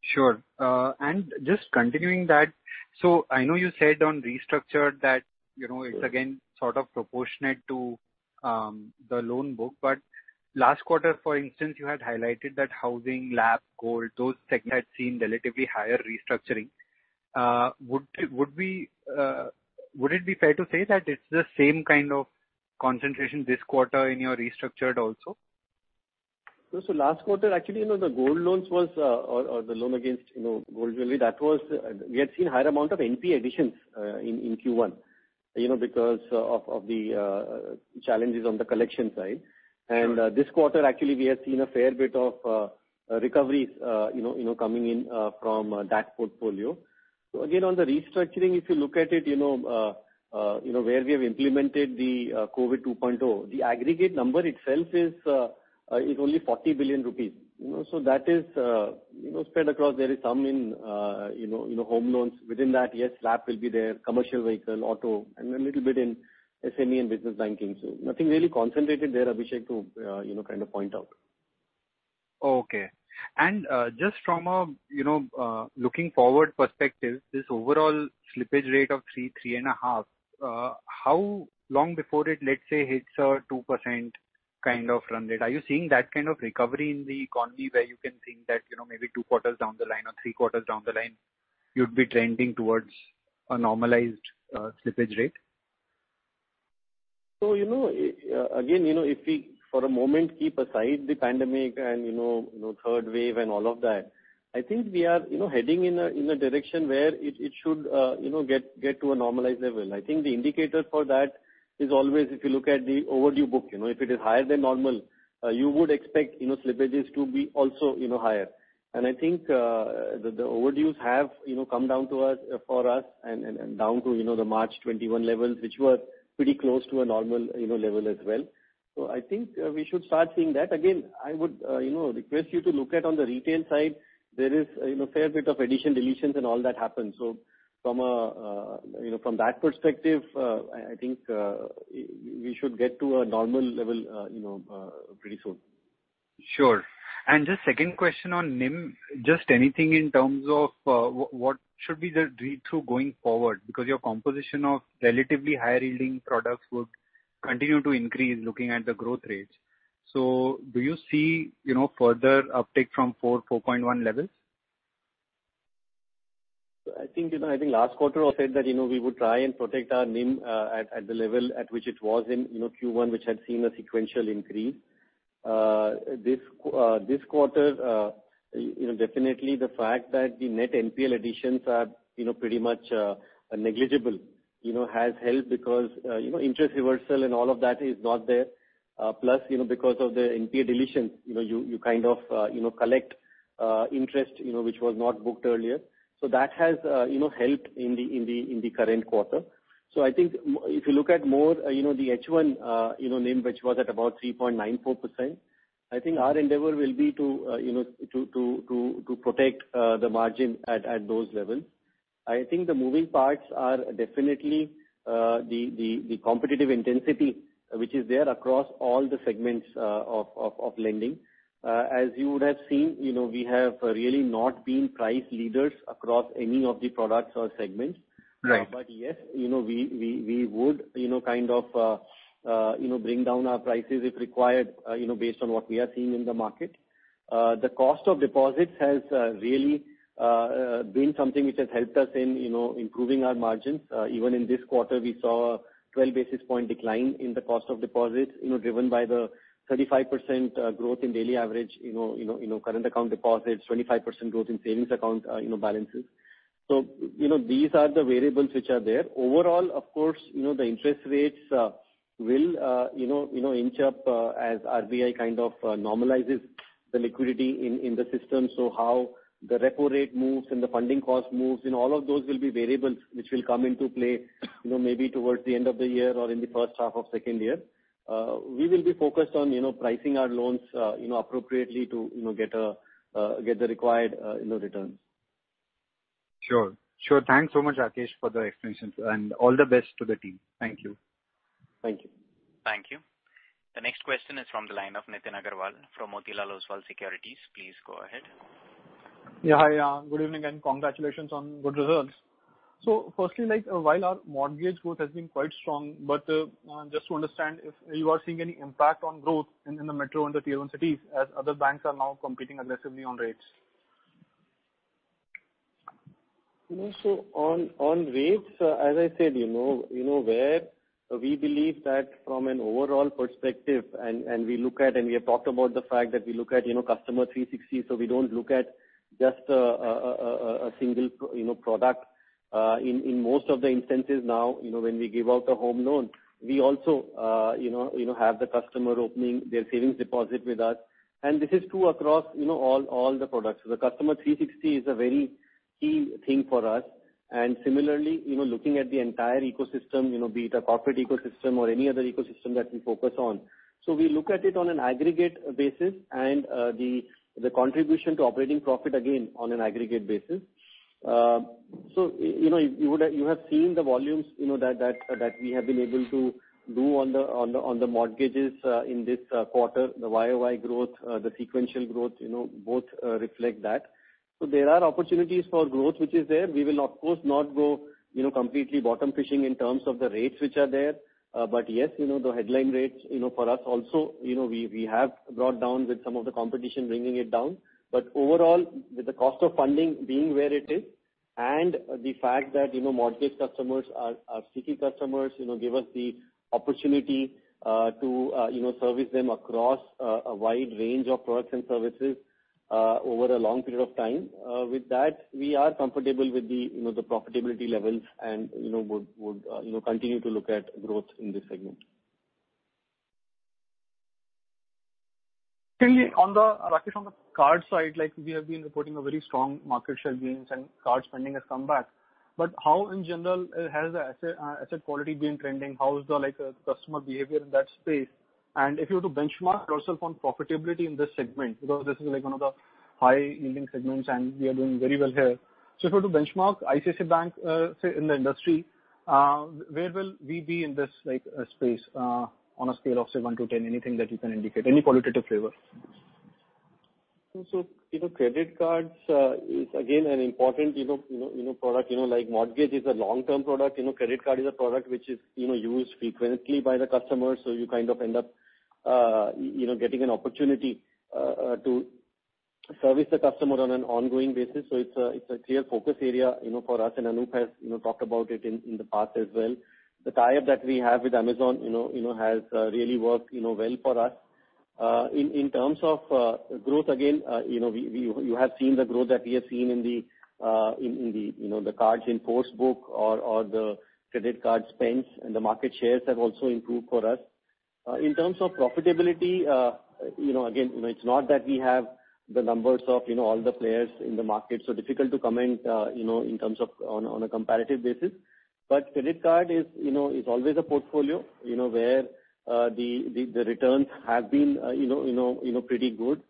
Sure. Just continuing that, I know you said on restructure that it's again sort of proportionate to the loan book, but last quarter, for instance, you had highlighted that housing, LAP, gold, those tech had seen relatively higher restructuring. Would it be fair to say that it's the same kind of concentration this quarter in your restructured also? Last quarter, actually, the gold loans or the loan against gold jewelry, we had seen higher amount of NPA additions in Q1 because of the challenges on the collection side. Sure. This quarter actually, we have seen a fair bit of recoveries coming in from that portfolio. Again, on the restructuring, if you look at it where we have implemented the COVID 2.0, the aggregate number itself is only 40 billion rupees. That is spread across, there is some in home loans within that. Yes, LAP will be there, commercial vehicle, auto, and a little bit in SME and business banking. Nothing really concentrated there, Abhishek, to kind of point out. Okay. Just from a looking forward perspective, this overall slippage rate of 3.5, how long before it, let's say, hits a 2% kind of run rate? Are you seeing that kind of recovery in the economy where you can think that maybe 2 quarters down the line or 3 quarters down the line you'd be trending towards a normalized slippage rate? Again, if we, for a moment, keep aside the pandemic and third wave and all of that, I think we are heading in a direction where it should get to a normalized level. I think the indicator for that is always if you look at the overdue book, if it is higher than normal, you would expect slippages to be also higher. I think the overdues have come down for us and down to the March 2021 levels, which were pretty close to a normal level as well. I think we should start seeing that. Again, I would request you to look at on the retail side, there is a fair bit of addition, deletions and all that happens. From that perspective, I think we should get to a normal level pretty soon. Sure. Just second question on NIM. Just anything in terms of what should be the read-through going forward because your composition of relatively higher-yielding products would continue to increase looking at the growth rates. Do you see further uptick from 4.1 levels? I think last quarter I said that we would try and protect our NIM at the level at which it was in Q1, which had seen a sequential increase. This quarter definitely the fact that the net NPL additions are pretty much negligible has helped because interest reversal and all of that is not there. Because of the NPL deletions, you kind of collect interest which was not booked earlier. That has helped in the current quarter. I think if you look at more the H1 NIM, which was at about 3.94%, I think our endeavor will be to protect the margin at those levels. The moving parts are definitely the competitive intensity which is there across all the segments of lending. As you would have seen, we have really not been price leaders across any of the products or segments. Yes, we would kind of bring down our prices if required, based on what we are seeing in the market. The cost of deposits has really been something which has helped us in improving our margins. Even in this quarter, we saw a 12 basis point decline in the cost of deposits driven by the 35% growth in daily average current account deposits, 25% growth in savings account balances. These are the variables which are there. Overall, of course, the interest rates will inch up as RBI kind of normalizes the liquidity in the system. How the repo rate moves and the funding cost moves and all of those will be variables which will come into play maybe towards the end of the year or in the first half of second year. We will be focused on pricing our loans appropriately to get the required returns. Sure. Thanks so much, Rakesh, for the explanations and all the best to the team. Thank you. Thank you. Thank you. The next question is from the line of Nitin Aggarwal from Motilal Oswal Securities. Please go ahead. Yeah. Hi. Good evening, and congratulations on good results. Firstly, like while our mortgage growth has been quite strong, but just to understand if you are seeing any impact on growth in the metro and the Tier 1 cities as other banks are now competing aggressively on rates. On rates, as I said where we believe that from an overall perspective and we look at and we have talked about the fact that we look at Customer 360, we don't look at just a single product. In most of the instances now when we give out a home loan, we also have the customer opening their savings deposit with us, and this is true across all the products. The Customer 360 is a very key thing for us. Similarly, even looking at the entire ecosystem, be it a corporate ecosystem or any other ecosystem that we focus on. We look at it on an aggregate basis and the contribution to operating profit, again, on an aggregate basis. You have seen the volumes that we have been able to do on the mortgages in this quarter, the YoY growth, the sequential growth, both reflect that. There are opportunities for growth which is there. We will of course not go completely bottom fishing in terms of the rates which are there. Yes, the headline rates, for us also, we have brought down with some of the competition bringing it down. Overall, with the cost of funding being where it is, and the fact that mortgage customers are sticky customers, give us the opportunity to service them across a wide range of products and services over a long period of time. With that, we are comfortable with the profitability levels and would continue to look at growth in this segment. Rakesh, on the card side, we have been reporting a very strong market share gains and card spending has come back. How in general has the asset quality been trending? How is the customer behavior in that space? If you were to benchmark yourself on profitability in this segment, because this is one of the high-yielding segments, and we are doing very well here. If you were to benchmark ICICI Bank, say in the industry, where will we be in this space on a scale of, say, 1-10? Anything that you can indicate? Any qualitative flavor. Credit cards is again an important product. Like mortgage is a long-term product, credit card is a product which is used frequently by the customers. You kind of end up getting an opportunity to service the customer on an ongoing basis. It's a clear focus area for us, and Anup has talked about it in the past as well. The tie-up that we have with Amazon has really worked well for us. In terms of growth again, you have seen the growth that we have seen in the cards in force book or the credit card spends and the market shares have also improved for us. In terms of profitability, again, it's not that we have the numbers of all the players in the market, difficult to comment on a comparative basis. Credit card is always a portfolio where the returns have been pretty good.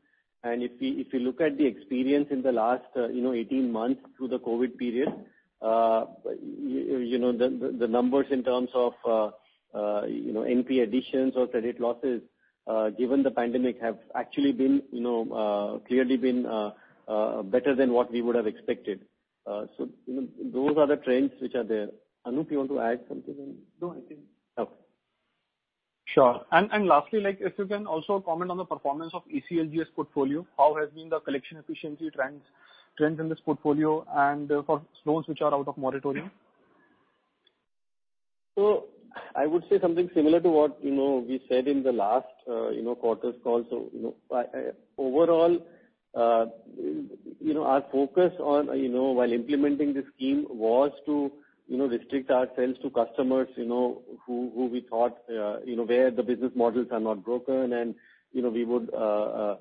If you look at the experience in the last 18 months through the COVID-19 period, the numbers in terms of NPA additions or credit losses, given the pandemic, have actually clearly been better than what we would have expected. Those are the trends which are there. Anup, you want to add something? Sure. Lastly, if you can also comment on the performance of ECLGS portfolio, how has been the collection efficiency trends in this portfolio and for loans which are out of moratorium? I would say something similar to what we said in the last quarter's call. Overall, our focus while implementing the scheme was to restrict ourselves to customers where the business models are not broken and we would have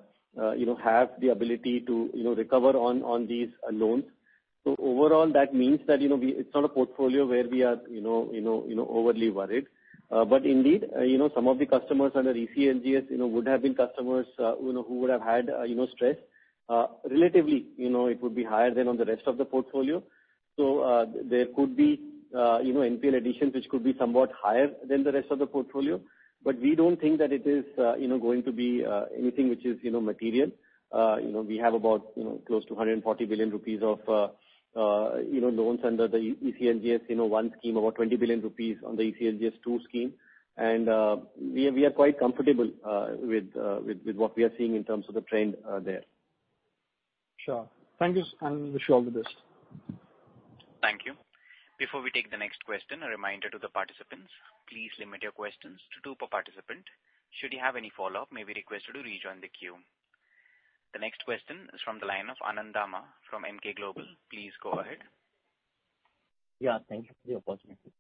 the ability to recover on these loans. Overall, that means that it's not a portfolio where we are overly worried. Indeed, some of the customers under ECLGS would have been customers who would have had stress. Relatively, it would be higher than on the rest of the portfolio. There could be NPL additions which could be somewhat higher than the rest of the portfolio. We don't think that it is going to be anything which is material. We have about close to 140 billion rupees of loans under the ECLGS 1.0 scheme, about 20 billion rupees on the ECLGS 2.0 scheme. We are quite comfortable with what we are seeing in terms of the trend there. Sure. Thank you. Wish you all the best. Thank you. Before we take the next question, a reminder to the participants, please limit your questions to two per participant. Should you have any follow-up, may we request you to rejoin the queue. The next question is from the line of Anand Dama from Emkay Global. Please go ahead. Yeah, thank you for your opportunity.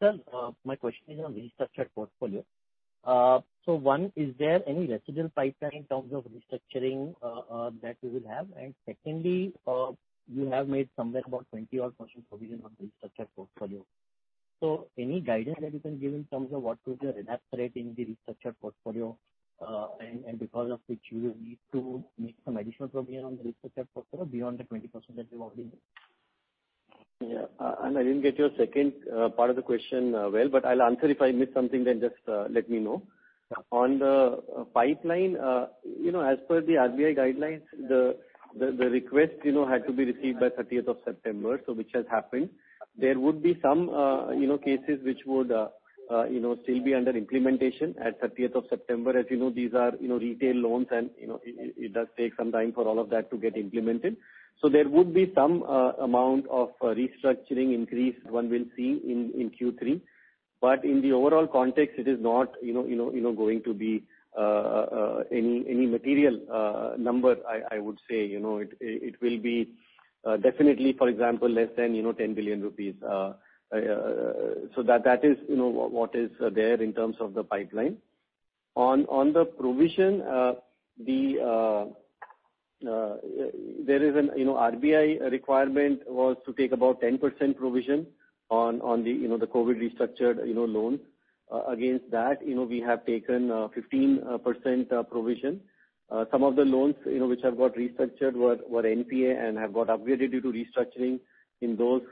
Sir, my question is on restructured portfolio. One, is there any residual pipeline in terms of restructuring that you will have? Secondly, you have made somewhere about 20%-odd provision on the restructured portfolio. Any guidance that you can give in terms of what could be the NPA rate in the restructured portfolio, and because of which you will need to make some additional provision on the restructured portfolio beyond the 20% that you have already made? Yeah. I didn't get your second part of the question well, but I'll answer. If I miss something, just let me know. On the pipeline, as per the RBI guidelines, the request had to be received by 30th of September. Which has happened. There would be some cases which would still be under implementation at 30th of September. As you know, these are retail loans, and it does take some time for all of that to get implemented. There would be some amount of restructuring increase one will see in Q3. In the overall context, it is not going to be any material number, I would say. It will be definitely, for example, less than 10 billion rupees. That is what is there in terms of the pipeline. On the provision, There is an RBI requirement was to take about 10% provision on the COVID restructured loans. Against that, we have taken 15% provision. Some of the loans which have got restructured were NPA and have got upgraded due to restructuring. In those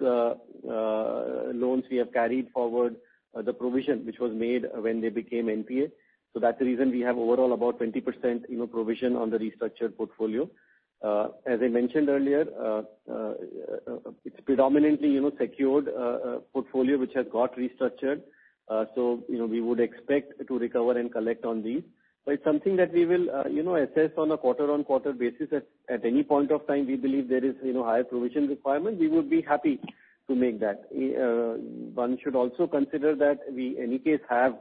loans, we have carried forward the provision which was made when they became NPA. That's the reason we have overall about 20% provision on the restructured portfolio. As I mentioned earlier, it's predominantly secured portfolio which has got restructured. We would expect to recover and collect on these. It's something that we will assess on a quarter on quarter basis. At any point of time, we believe there is higher provision requirement, we would be happy to make that. One should also consider that we, any case have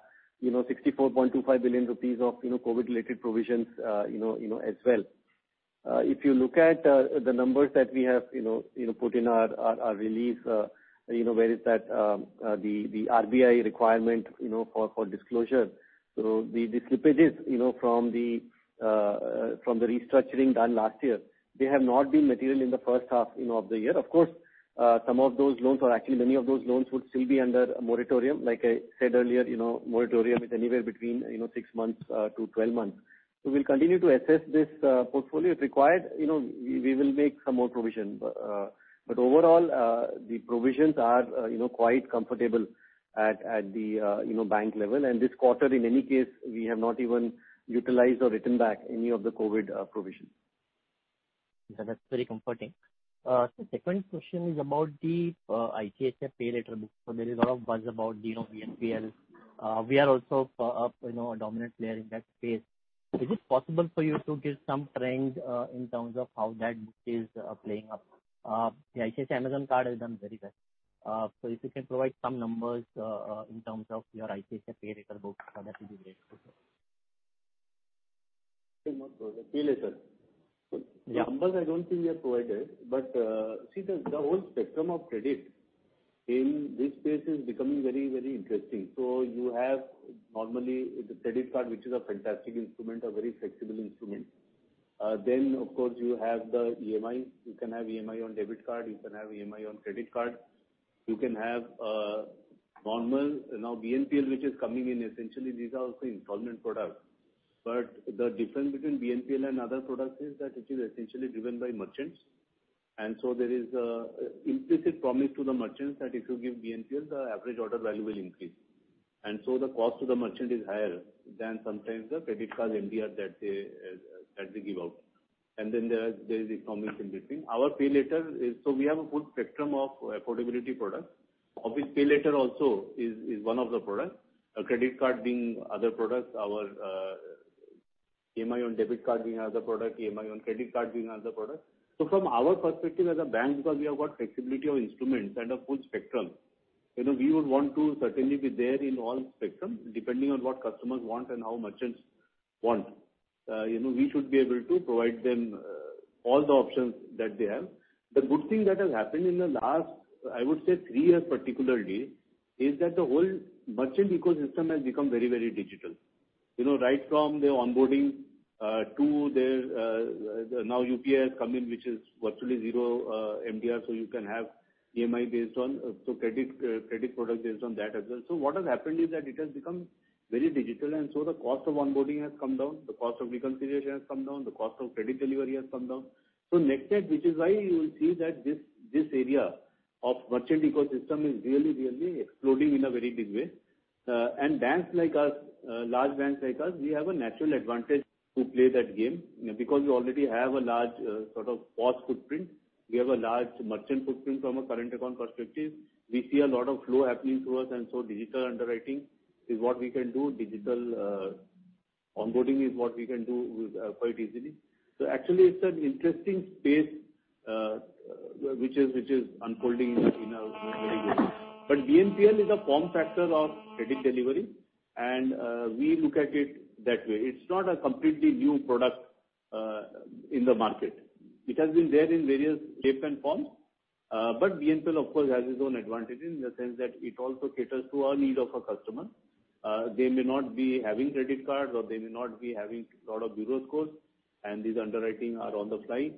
64.25 billion rupees of COVID related provisions as well. If you look at the numbers that we have put in our release, where is that? The RBI requirement for disclosure. The slippages from the restructuring done last year, they have not been material in the first half of the year. Of course, some of those loans or actually many of those loans would still be under moratorium. Like I said earlier, moratorium is anywhere between six months to 12 months. We'll continue to assess this portfolio. If required, we will make some more provision. Overall, the provisions are quite comfortable at the bank level. This quarter, in any case, we have not even utilized or written back any of the COVID provisions. That's very comforting. Second, question is about the ICICI PayLater book. There is a lot of buzz about BNPL. We are also a dominant player in that space. Is it possible for you to give some trends in terms of how that book is playing up? The ICICI Amazon card has done very well. If you can provide some numbers in terms of your ICICI PayLater book, that will be great. Sure. The numbers I don't think we have provided. See, the whole spectrum of credit in this space is becoming very interesting. You have normally the credit card, which is a fantastic instrument, a very flexible instrument. Of course, you have the EMI. You can have EMI on debit card, you can have EMI on credit card. You can have normal now BNPL, which is coming in. Essentially these are also installment products. The difference between BNPL and other products is that it is essentially driven by merchants. There is a implicit promise to the merchants that if you give BNPL, the average order value will increase. The cost to the merchant is higher than sometimes the credit card MDR that they give out. There is installments in between. Our PayLater is, we have a good spectrum of affordability products. Obviously, PayLater also is one of the products, a credit card being other products, our EMI on debit card being other product, EMI on credit card being other product. From our perspective as a bank, because we have got flexibility of instruments and a full spectrum, we would want to certainly be there in all spectrum depending on what customers want and how merchants want. We should be able to provide them all the options that they have. The good thing that has happened in the last, I would say three years particularly, is that the whole merchant ecosystem has become very digital. Right from their onboarding to their, now UPI has come in, which is virtually zero MDR, you can have EMI based on, so credit product based on that as well. What has happened is that it has become very digital, the cost of onboarding has come down, the cost of reconciliation has come down, the cost of credit delivery has come down. Next step, which is why you will see that this area of merchant ecosystem is really exploding in a very big way. Banks like us, large banks like us, we have a natural advantage to play that game because we already have a large sort of POS footprint. We have a large merchant footprint from a current account perspective. We see a lot of flow happening through us, digital underwriting is what we can do. Digital onboarding is what we can do quite easily. Actually, it's an interesting space, which is unfolding in a very good way. BNPL is a form factor of credit delivery, and we look at it that way. It's not a completely new product in the market. It has been there in various shape and form. BNPL, of course, has its own advantage in the sense that it also caters to a need of a customer. They may not be having credit cards, or they may not be having lot of bureau scores, and these underwriting are on the fly.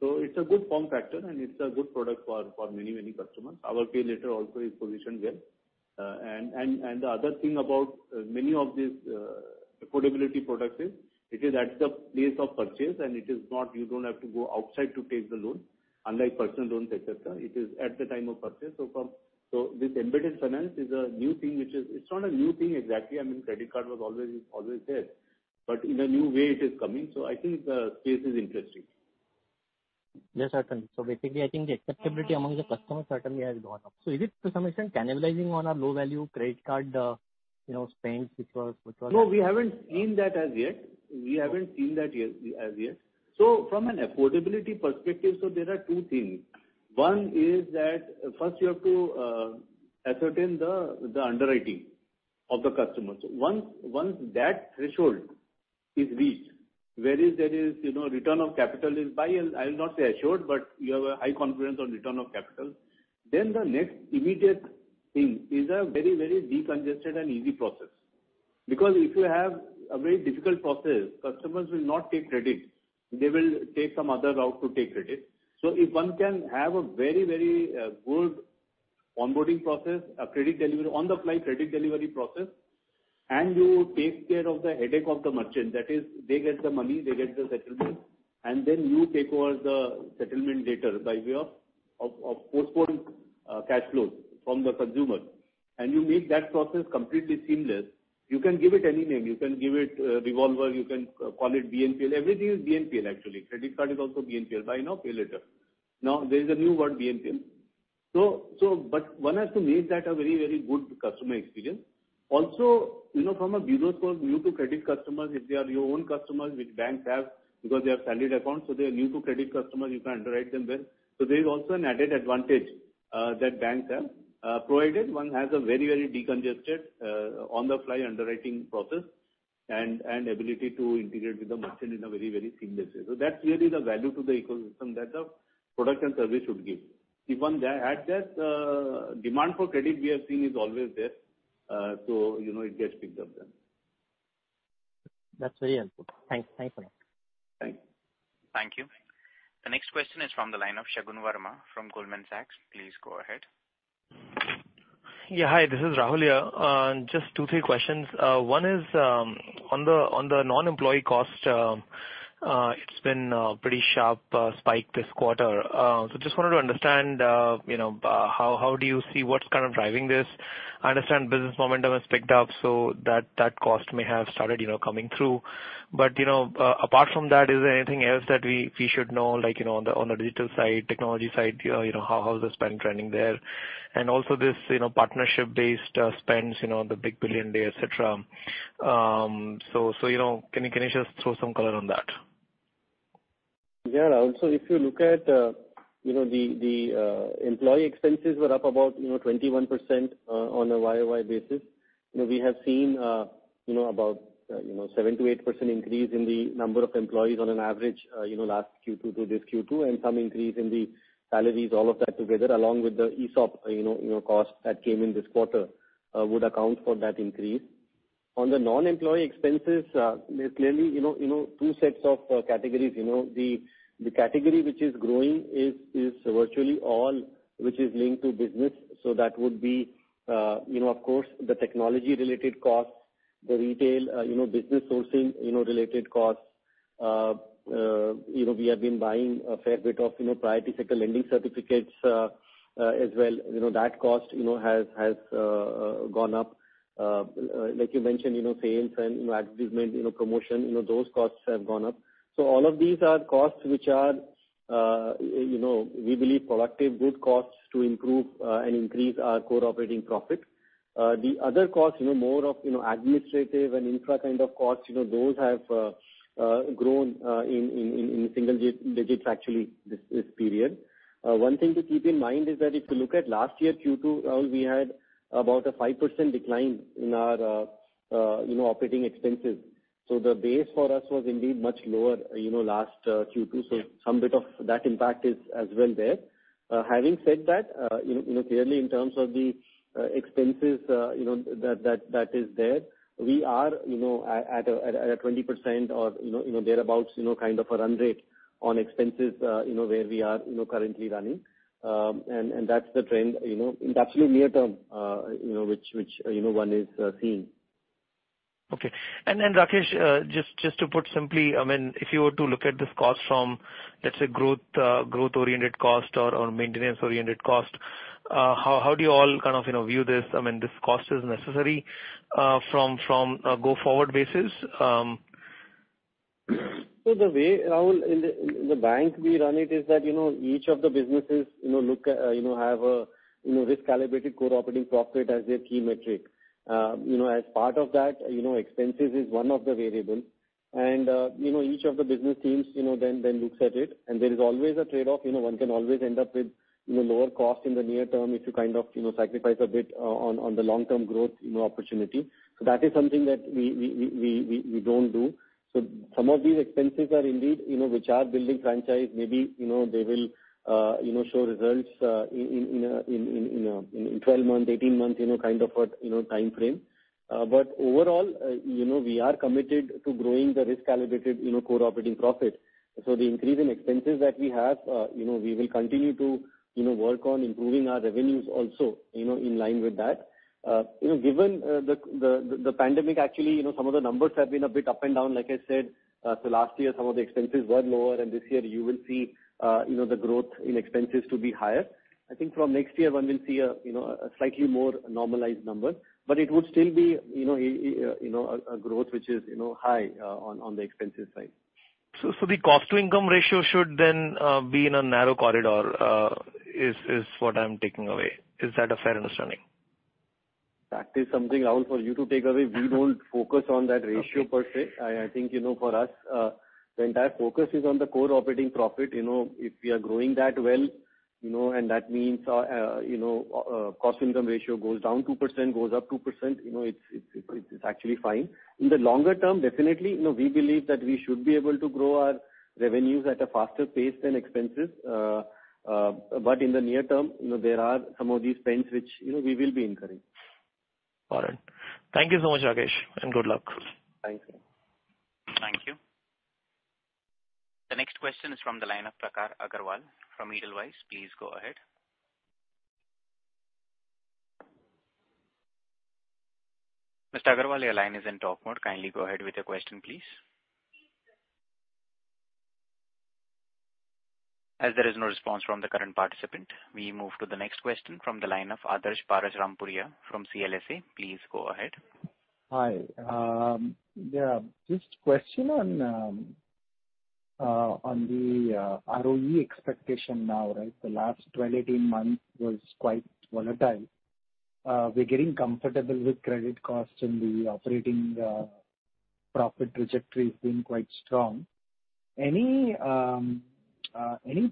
It's a good form factor, and it's a good product for many customers. Our PayLater also is positioned well. The other thing about many of these affordability products is, it is at the place of purchase, and you don't have to go outside to take the loan unlike personal loans, etc. It is at the time of purchase. This embedded finance is a new thing which is, it's not a new thing exactly, I mean, credit card was always there, but in a new way it is coming. I think the space is interesting. Yes, certainly. Basically, I think the acceptability among the customers certainly has gone up. Is it to some extent cannibalizing on our low value credit card spends? No, we haven't seen that as yet. From an affordability perspective, there are two things. One is that first you have to ascertain the underwriting of the customer. Once that threshold is reached, whereas there is return of capital, I'll not say assured, but you have a high confidence on return of capital, the next immediate thing is a very de-congested and easy process. Because if you have a very difficult process, customers will not take credit. They will take some other route to take credit. If one can have a very good onboarding process, on-the-fly credit delivery process, and you take care of the headache of the merchant, that is, they get the money, they get the settlement, and then you take over the settlement data by way of postponed cash flows from the consumer, and you make that process completely seamless, you can give it any name. You can give it Revolver, you can call it BNPL. Everything is BNPL, actually. Credit card is also BNPL, Buy Now Pay Later. Now, there is a new word, BNPL. One has to make that a very good customer experience. From a bureau's point of view to credit customers, if they are your own customers which banks have because they have salaried accounts, so they are new to credit customers, you can underwrite them well. There is also an added advantage that banks have, provided one has a very decongested on-the-fly underwriting process and ability to integrate with the merchant in a very seamless way. That's really the value to the ecosystem that the product and service should give. If one adds that, demand for credit we have seen is always there, so it gets picked up then. That's very helpful. Thanks, Anup. Thank you. Thank you. The next question is from the line of Shagun Verma from Goldman Sachs. Please go ahead. Hi, this is Rahul here. Just two, three questions. One is, on the non-employee cost, it's been a pretty sharp spike this quarter. Just wanted to understand how do you see what's kind of driving this? I understand business momentum has picked up, that cost may have started coming through. Apart from that, is there anything else that we should know, like on the digital side, technology side, how is the spend trending there? Also this partnership-based spends, the Big Billion Days, et cetera. Can you just throw some color on that? Yeah, Rahul, if you look at the employee expenses were up about 21% on a YoY basis. We have seen about 7%-8% increase in the number of employees on an average last Q2 to this Q2, and some increase in the salaries. All of that together, along with the ESOP cost that came in this quarter, would account for that increase. On the non-employee expenses, there's clearly two sets of categories. The category which is growing is virtually all which is linked to business. That would be, of course, the technology-related costs, the retail, business sourcing related costs. We have been buying a fair bit of priority sector lending certificates as well. That cost has gone up. Like you mentioned, sales and advertisement, promotion, those costs have gone up. All of these are costs which are, we believe, productive, good costs to improve and increase our core operating profit. The other costs, more of administrative and infra kind of costs, those have grown in single digits actually, this period. One thing to keep in mind is that if you look at last year, Q2, Rahul, we had about a 5% decline in our operating expenses. The base for us was indeed much lower last Q2, so some bit of that impact is as well there. Having said that, clearly in terms of the expenses that is there, we are at a 20% or thereabout kind of a run rate on expenses where we are currently running. That's the trend. It's actually near term, which one is seeing. Okay. Rakesh, just to put simply, if you were to look at this cost from, let's say, growth-oriented cost or maintenance-oriented cost, how do you all view this? This cost is necessary from a go forward basis? The way, Rahul, in the bank we run it is that each of the businesses have a risk-calibrated core operating profit as their key metric. As part of that, expenses is one of the variables. Each of the business teams then looks at it, and there is always a trade-off. One can always end up with lower cost in the near term if you sacrifice a bit on the long-term growth opportunity. That is something that we don't do. Some of these expenses are indeed, which are building franchise, maybe they will show results in 12 months, 18 months kind of a timeframe. Overall, we are committed to growing the risk-calibrated core operating profit. The increase in expenses that we have, we will continue to work on improving our revenues also in line with that. Given the pandemic, actually, some of the numbers have been a bit up and down, like I said. Last year, some of the expenses were lower, and this year you will see the growth in expenses to be higher. I think from next year, one will see a slightly more normalized number, but it would still be a growth which is high on the expenses side. The cost-to-income ratio should then be in a narrow corridor, is what I'm taking away. Is that a fair understanding? That is something, Rahul, for you to take away. We don't focus on that ratio per se. I think for us, the entire focus is on the core operating profit. If we are growing that well, and that means our cost-income ratio goes down 2%, goes up 2%, it's actually fine. In the longer term, definitely, we believe that we should be able to grow our revenues at a faster pace than expenses. In the near term, there are some of these trends which we will be incurring. Got it. Thank you so much, Rakesh, and good luck. Thanks. Thank you. The next question is from the line of Prakhar Agarwal from Edelweiss. Please go ahead. Mr. Agarwal, your line is in talk mode. Kindly go ahead with your question, please. As there is no response from the current participant, we move to the next question from the line of Adarsh Parasrampuria from CLSA. Please go ahead. Hi. Just a question on the ROE expectation now? The last 12, 18 months was quite volatile. We're getting comfortable with credit costs and the operating profit trajectory has been quite strong. Any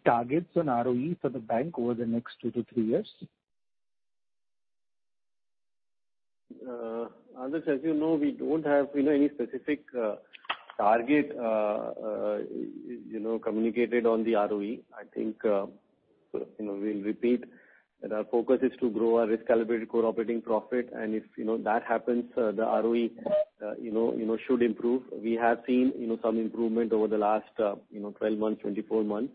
targets on ROE for the bank over the next 2-3 years? Adarsh, as you know, we don't have any specific target communicated on the ROE. I think we'll repeat that our focus is to grow our risk-calibrated core operating profit, and if that happens, the ROE should improve. We have seen some improvement over the last 12 months, 24 months,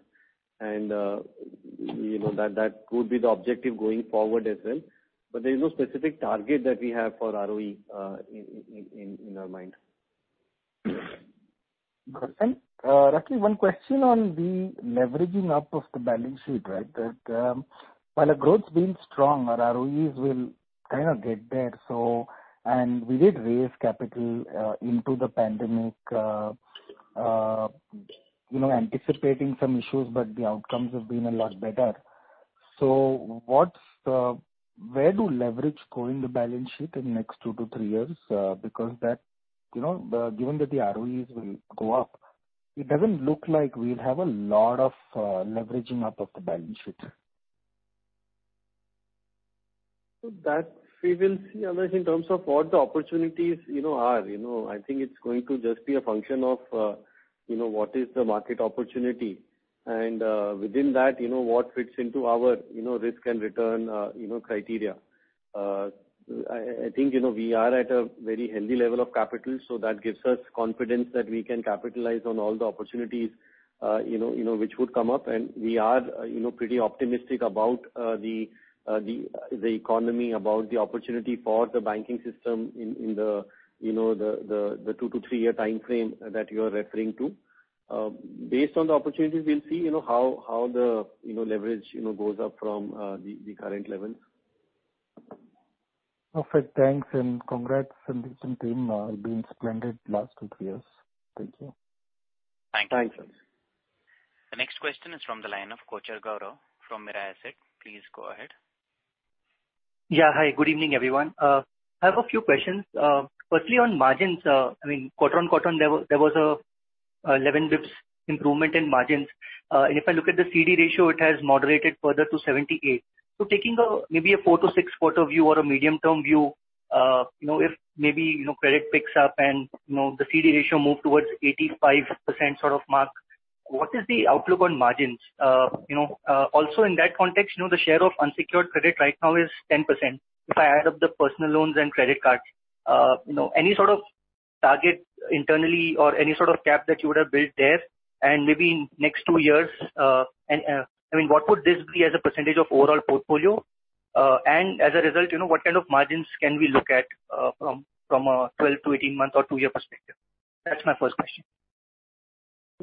and that could be the objective going forward as well. There is no specific target that we have for ROE in our mind. Got it. Rakesh, one question on the leveraging up of the balance sheet. That while the growth's been strong, our ROEs will kind of get there. We did raise capital into the pandemic, anticipating some issues, but the outcomes have been a lot better. Where do leverage grow in the balance sheet in next two to three years? Given that the ROEs will go up, it doesn't look like we'll have a lot of leveraging up of the balance sheet. That we will see, Adarsh, in terms of what the opportunities are. I think it's going to just be a function of what is the market opportunity. Within that, what fits into our risk and return criteria. I think we are at a very healthy level of capital, so that gives us confidence that we can capitalize on all the opportunities which would come up, and we are pretty optimistic about the economy, about the opportunity for the banking system in the two to three-year timeframe that you're referring to. Based on the opportunities, we'll see how the leverage goes up from the current levels. Perfect. Thanks. Congrats on the team being splendid last two, three years. Thank you. Thank you. Thanks. The next question is from the line of Kochar Gaurav from Mirae Asset. Please go ahead. Good evening, everyone. I have a few questions. Firstly, on margins, quarter-on-quarter, there was a 11 bps improvement in margins. If I look at the CD ratio, it has moderated further to 78. Taking maybe a 4-6 quarter view or a medium-term view, if maybe credit picks up and the CD ratio move towards 85% sort of mark, what is the outlook on margins? Also in that context, the share of unsecured credit right now is 10%, if I add up the personal loans and credit cards. Any sort of target internally or any sort of cap that you would have built there? Maybe in next two years, what would this be as a percentage of overall portfolio? As a result, what kind of margins can we look at from a 12-18 month or 2-year perspective? That's my first question.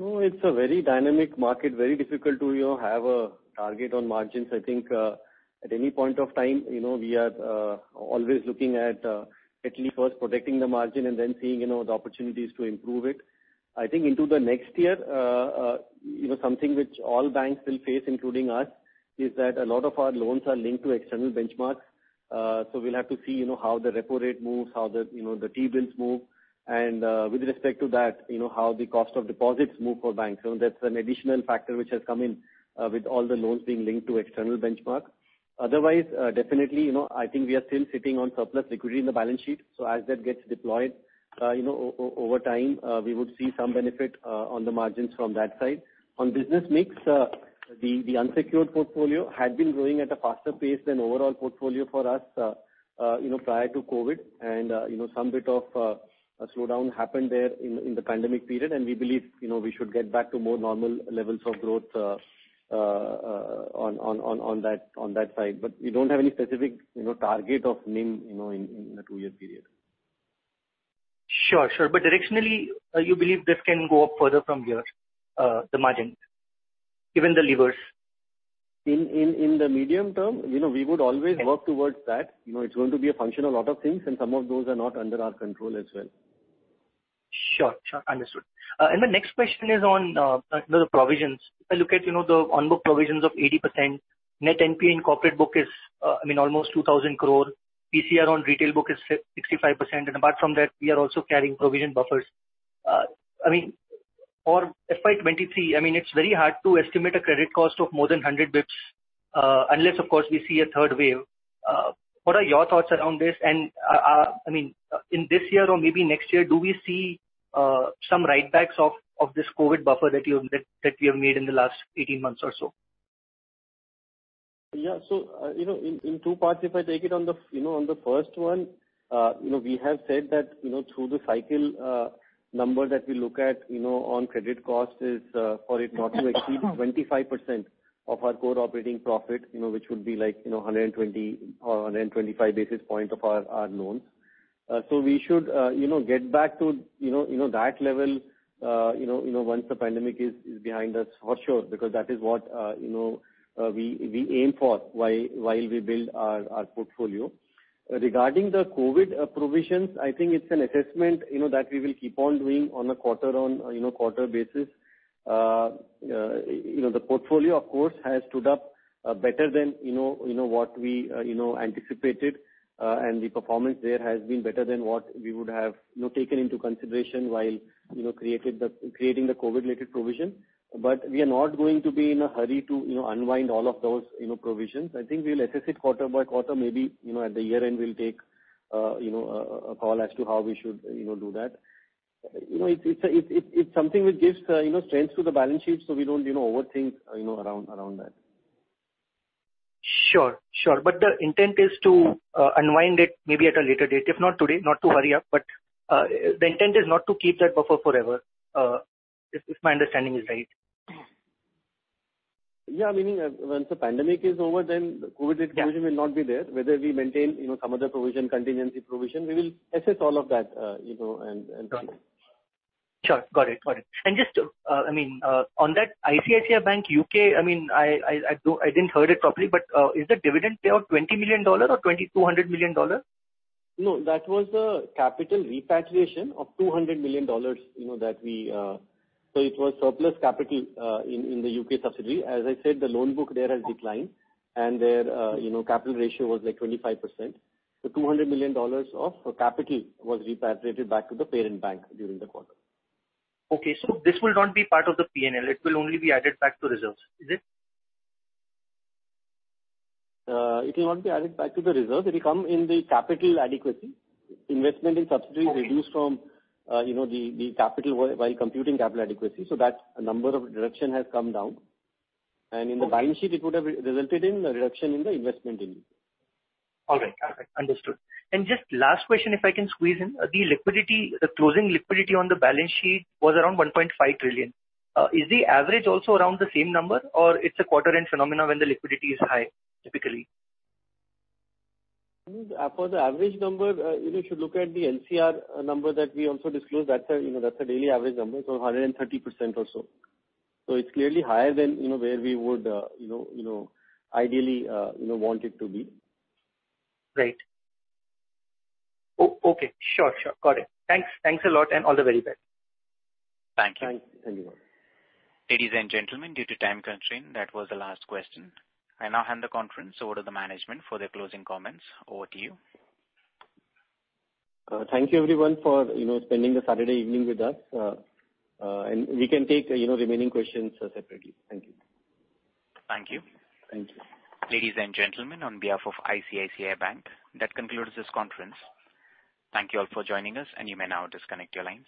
It's a very dynamic market, very difficult to have a target on margins. I think at any point of time, we are always looking at least first protecting the margin and then seeing the opportunities to improve it. I think into the next year, something which all banks will face, including us, is that a lot of our loans are linked to external benchmarks. We'll have to see how the repo rate moves, how the T-bills move, and with respect to that, how the cost of deposits move for banks. That's an additional factor which has come in with all the loans being linked to external benchmark. Otherwise, definitely, I think we are still sitting on surplus liquidity in the balance sheet. As that gets deployed, over time, we would see some benefit on the margins from that side. On business mix, the unsecured portfolio had been growing at a faster pace than overall portfolio for us prior to COVID, and some bit of a slowdown happened there in the pandemic period, and we believe we should get back to more normal levels of growth on that side. We don't have any specific target of NIM in a two-year period. Sure. Directionally, you believe this can go up further from here, the margins? Given the levers. In the medium-term, we would always work towards that. It's going to be a function of lot of things. Some of those are not under our control as well. Sure. Understood. My next question is on the provisions. If I look at the on-book provisions of 80%, net NPL in corporate book is almost 2,000 crore. PCR on retail book is 65%, and apart from that, we are also carrying provision buffers. For FY 2023, it's very hard to estimate a credit cost of more than 100 basis points unless, of course, we see a third wave. What are your thoughts around this? In this year or maybe next year, do we see some write-backs of this COVID buffer that you have made in the last 18 months or so? Yeah. In two parts, if I take it, on the first one, we have said that through the cycle numbers that we look at on credit cost is for it not to exceed 25% of our core operating profit, which would be like 120 or 125 basis points of our loans. We should get back to that level once the pandemic is behind us for sure, because that is what we aim for while we build our portfolio. Regarding the COVID provisions, I think it's an assessment that we will keep on doing on a quarter basis. The portfolio, of course, has stood up better than what we anticipated, and the performance there has been better than what we would have taken into consideration while creating the COVID-related provision. We are not going to be in a hurry to unwind all of those provisions. I think we'll assess it quarter by quarter, maybe at the year-end, we'll take a call as to how we should do that. It's something which gives strength to the balance sheet, so we don't overthink around that. Sure. The intent is to unwind it maybe at a later date, if not today, not to hurry up, but the intent is not to keep that buffer forever. If my understanding is right. Yeah, meaning once the pandemic is over, then the COVID-related provision will not be there. Whether we maintain some other provision, contingency provision, we will assess all of that and see. Sure. Got it. Just on that ICICI Bank UK, I didn't hear it properly, is the dividend payout $20 million or $200 million? That was a capital repatriation of $200 million. It was surplus capital in the U.K. subsidiary. As I said, the loan book there has declined, and their capital ratio was like 25%. $200 million of capital was repatriated back to the parent bank during the quarter. Okay. This will not be part of the P&L. It will only be added back to reserves. Is it? It will not be added back to the reserve. It will come in the capital adequacy. Investment in subsidiaries reduced from the capital while computing capital adequacy. That number of reduction has come down. Okay. In the balance sheet, it would have resulted in a reduction in the investment in it. All right. Perfect. Understood. Just last question, if I can squeeze in. The closing liquidity on the balance sheet was around 1.5 trillion. Is the average also around the same number, or it's a quarter-end phenomenon when the liquidity is high, typically? For the average number, you should look at the LCR number that we also disclosed. That's a daily average number, so 130% or so. It's clearly higher than where we would ideally want it to be. Right. Okay. Sure. Got it. Thanks a lot, and all the very best. Thank you. Thanks. Thank you. Ladies and gentlemen, due to time constraint, that was the last question. I now hand the conference over to the management for their closing comments. Over to you. Thank you everyone for spending the Saturday evening with us. We can take remaining questions separately. Thank you. Thank you. Thank you. Ladies and gentlemen, on behalf of ICICI Bank, that concludes this conference. Thank you all for joining us, and you may now disconnect your lines.